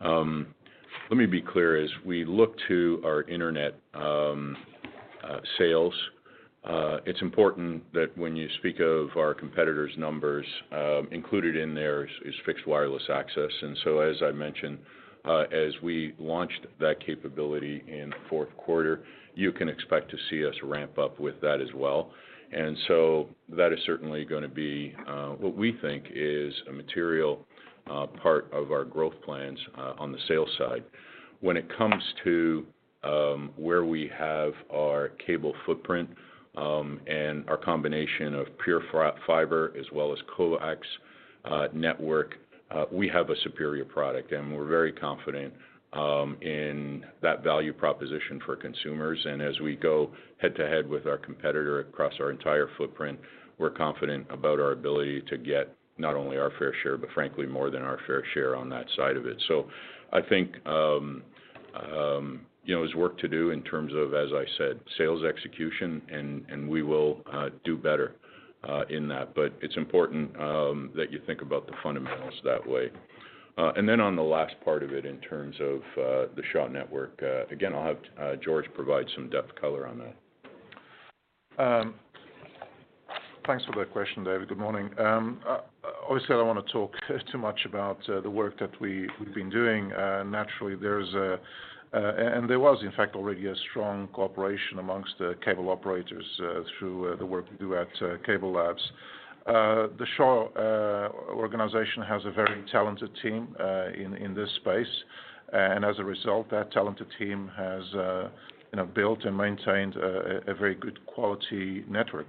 Let me be clear, as we look to our internet sales, it's important that when you speak of our competitors' numbers, included in there is fixed wireless access. As I mentioned, as we launched that capability in the fourth quarter, you can expect to see us ramp up with that as well. That is certainly gonna be what we think is a material part of our growth plans on the sales side. When it comes to where we have our cable footprint, and our combination of pure fiber as well as coax network, we have a superior product, and we're very confident in that value proposition for consumers. As we go head-to-head with our competitor across our entire footprint, we're confident about our ability to get not only our fair share, but frankly, more than our fair share on that side of it. I think you know, there's work to do in terms of, as I said, sales execution, and we will do better in that. It's important that you think about the fundamentals that way. Then on the last part of it, in terms of the Shaw network, again, I'll have Jorge provide some deeper color on that. Thanks for that question, David. Good morning. Obviously I don't want to talk too much about the work that we've been doing. Naturally there was, in fact, already a strong cooperation amongst the cable operators through the work we do at CableLabs. The Shaw, Our organization has a very talented team in this space. As a result, that talented team has, you know, built and maintained a very good quality network.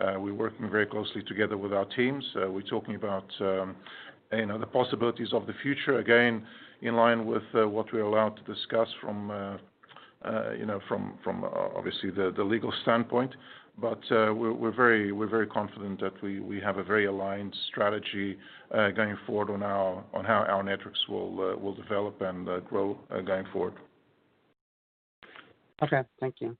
We're working very closely together with our teams. We're talking about, you know, the possibilities of the future, again, in line with what we're allowed to discuss from, you know, from obviously the legal standpoint. We're very confident that we have a very aligned strategy going forward on how our networks will develop and grow going forward. Okay. Thank you.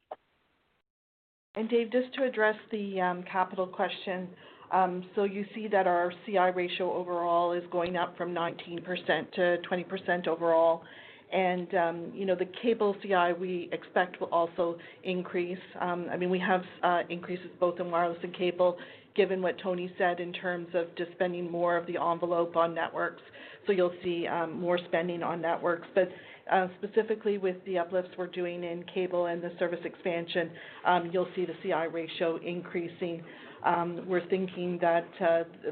Dave, just to address the capital question. You see that our CI ratio overall is going up from 19%-20% overall. You know, the cable CI we expect will also increase. I mean, we have increases both in wireless and cable, given what Tony said in terms of just spending more of the envelope on networks. You'll see more spending on networks. Specifically with the uplifts we're doing in cable and the service expansion, you'll see the CI ratio increasing. We're thinking that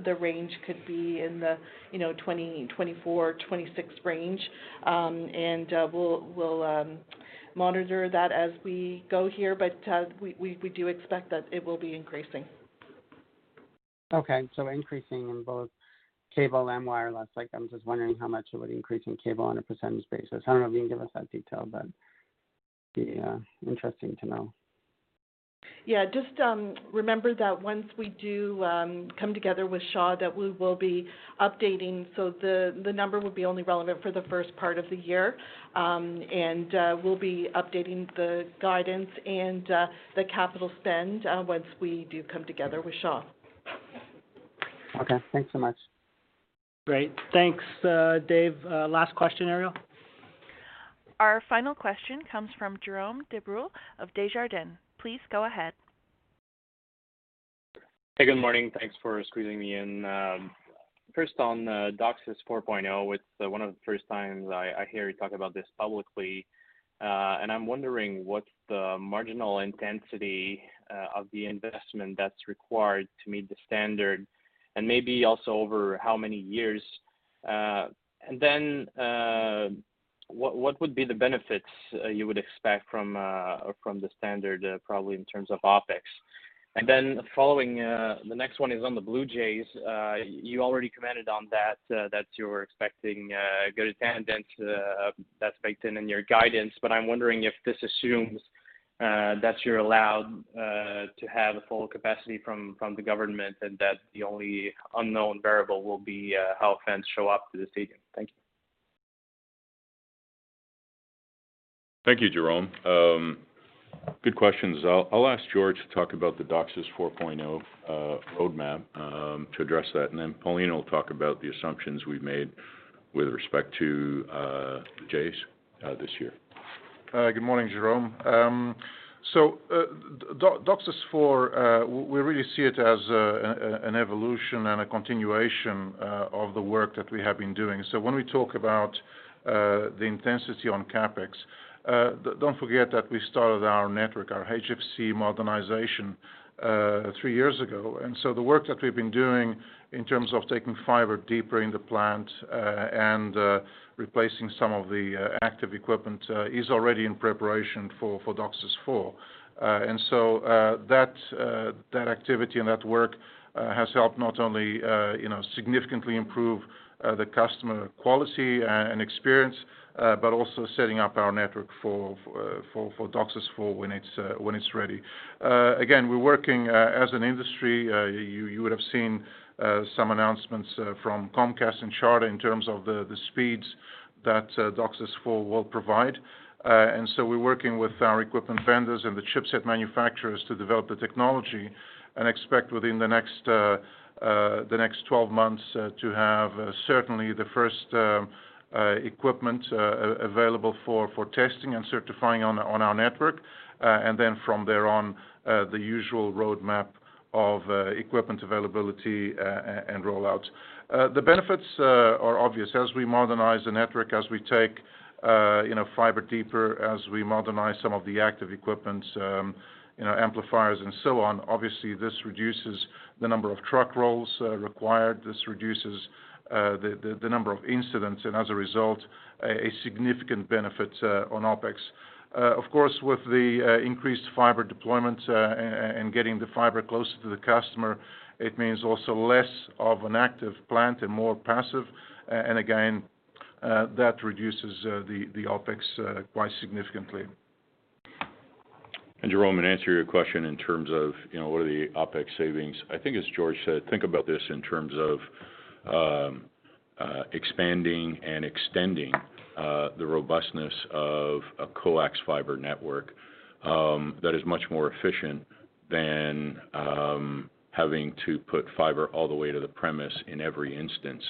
the range could be in the you know, 20%, 24%, 26% range. We'll monitor that as we go here. We do expect that it will be increasing. Okay. Increasing in both cable and wireless. Like, I'm just wondering how much it would increase in cable on a percentage basis. I don't know if you can give us that detail, but it'd be interesting to know. Yeah. Just remember that once we do come together with Shaw, that we will be updating. The number would be only relevant for the first part of the year. We'll be updating the guidance and the capital spend once we do come together with Shaw. Okay. Thanks so much. Great. Thanks, Dave. Last question, Ariel. Our final question comes from Jérome Dubreuil of Desjardins. Please go ahead. Hey, good morning. Thanks for squeezing me in. First on DOCSIS 4.0, it's one of the first times I hear you talk about this publicly. I'm wondering what's the marginal intensity of the investment that's required to meet the standard, and maybe also over how many years? What would be the benefits you would expect from the standard, probably in terms of OpEx? Following, the next one is on the Blue Jays. You already commented on that you're expecting good attendance, that's baked in your guidance, but I'm wondering if this assumes that you're allowed to have a full capacity from the government, and that the only unknown variable will be how fans show up to the stadium. Thank you. Thank you, Jérome. Good questions. I'll ask Jorge to talk about the DOCSIS 4.0 roadmap to address that. Then Paulina will talk about the assumptions we've made with respect to Jays this year. Good morning, Jérome. DOCSIS 4.0, we really see it as an evolution and a continuation of the work that we have been doing. When we talk about the intensity on CapEx, don't forget that we started our network, our HFC modernization, three years ago. The work that we've been doing in terms of taking fiber deeper in the plant and replacing some of the active equipment is already in preparation for DOCSIS 4.0. That activity and that work has helped not only, you know, significantly improve the customer quality and experience, but also setting up our network for DOCSIS 4.0 when it's ready. Again, we're working as an industry. You would have seen some announcements from Comcast and Charter in terms of the speeds that DOCSIS 4 will provide. We're working with our equipment vendors and the chipset manufacturers to develop the technology and expect within the next 12 months to have certainly the first equipment available for testing and certifying on our network. From there on the usual roadmap of equipment availability and roll out. The benefits are obvious. As we modernize the network, as we take you know fiber deeper, as we modernize some of the active equipment, you know amplifiers and so on, obviously this reduces the number of truck rolls required. This reduces the number of incidents, and as a result, a significant benefit on OpEx. Of course, with the increased fiber deployment and getting the fiber closer to the customer, it means also less of an active plant and more passive. Again, that reduces the OpEx quite significantly. Jérome, in answer to your question in terms of, you know, what are the OpEx savings, I think as Jorge said, think about this in terms of, expanding and extending, the robustness of a coax fiber network, that is much more efficient than, having to put fiber all the way to the premise in every instance.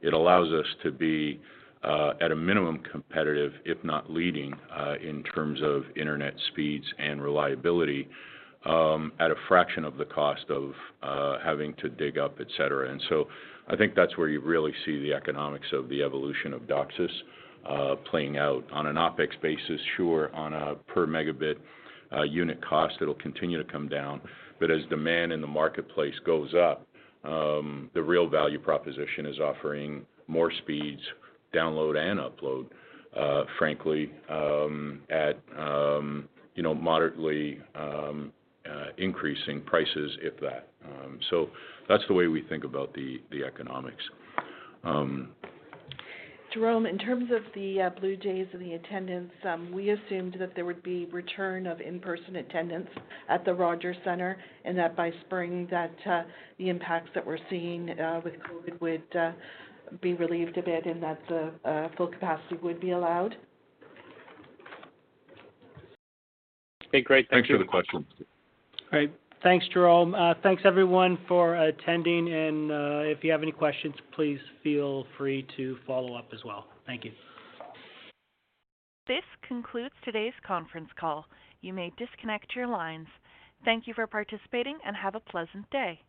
It allows us to be, at a minimum competitive, if not leading, in terms of internet speeds and reliability, at a fraction of the cost of, having to dig up, et cetera. I think that's where you really see the economics of the evolution of DOCSIS, playing out on an OpEx basis. Sure, on a per megabit, unit cost, it'll continue to come down. As demand in the marketplace goes up, the real value proposition is offering more speeds, download and upload, frankly, at you know, moderately increasing prices, if that. That's the way we think about the economics. Jérome, in terms of the Blue Jays and the attendance, we assumed that there would be return of in-person attendance at the Rogers Centre, and that by spring the impacts that we're seeing with COVID would be relieved a bit, and that the full capacity would be allowed. Okay, great. Thank you. Thanks for the question. All right. Thanks, Jérome. Thanks everyone for attending and, if you have any questions, please feel free to follow up as well. Thank you. This concludes today's conference call. You may disconnect your lines. Thank you for participating, and have a pleasant day.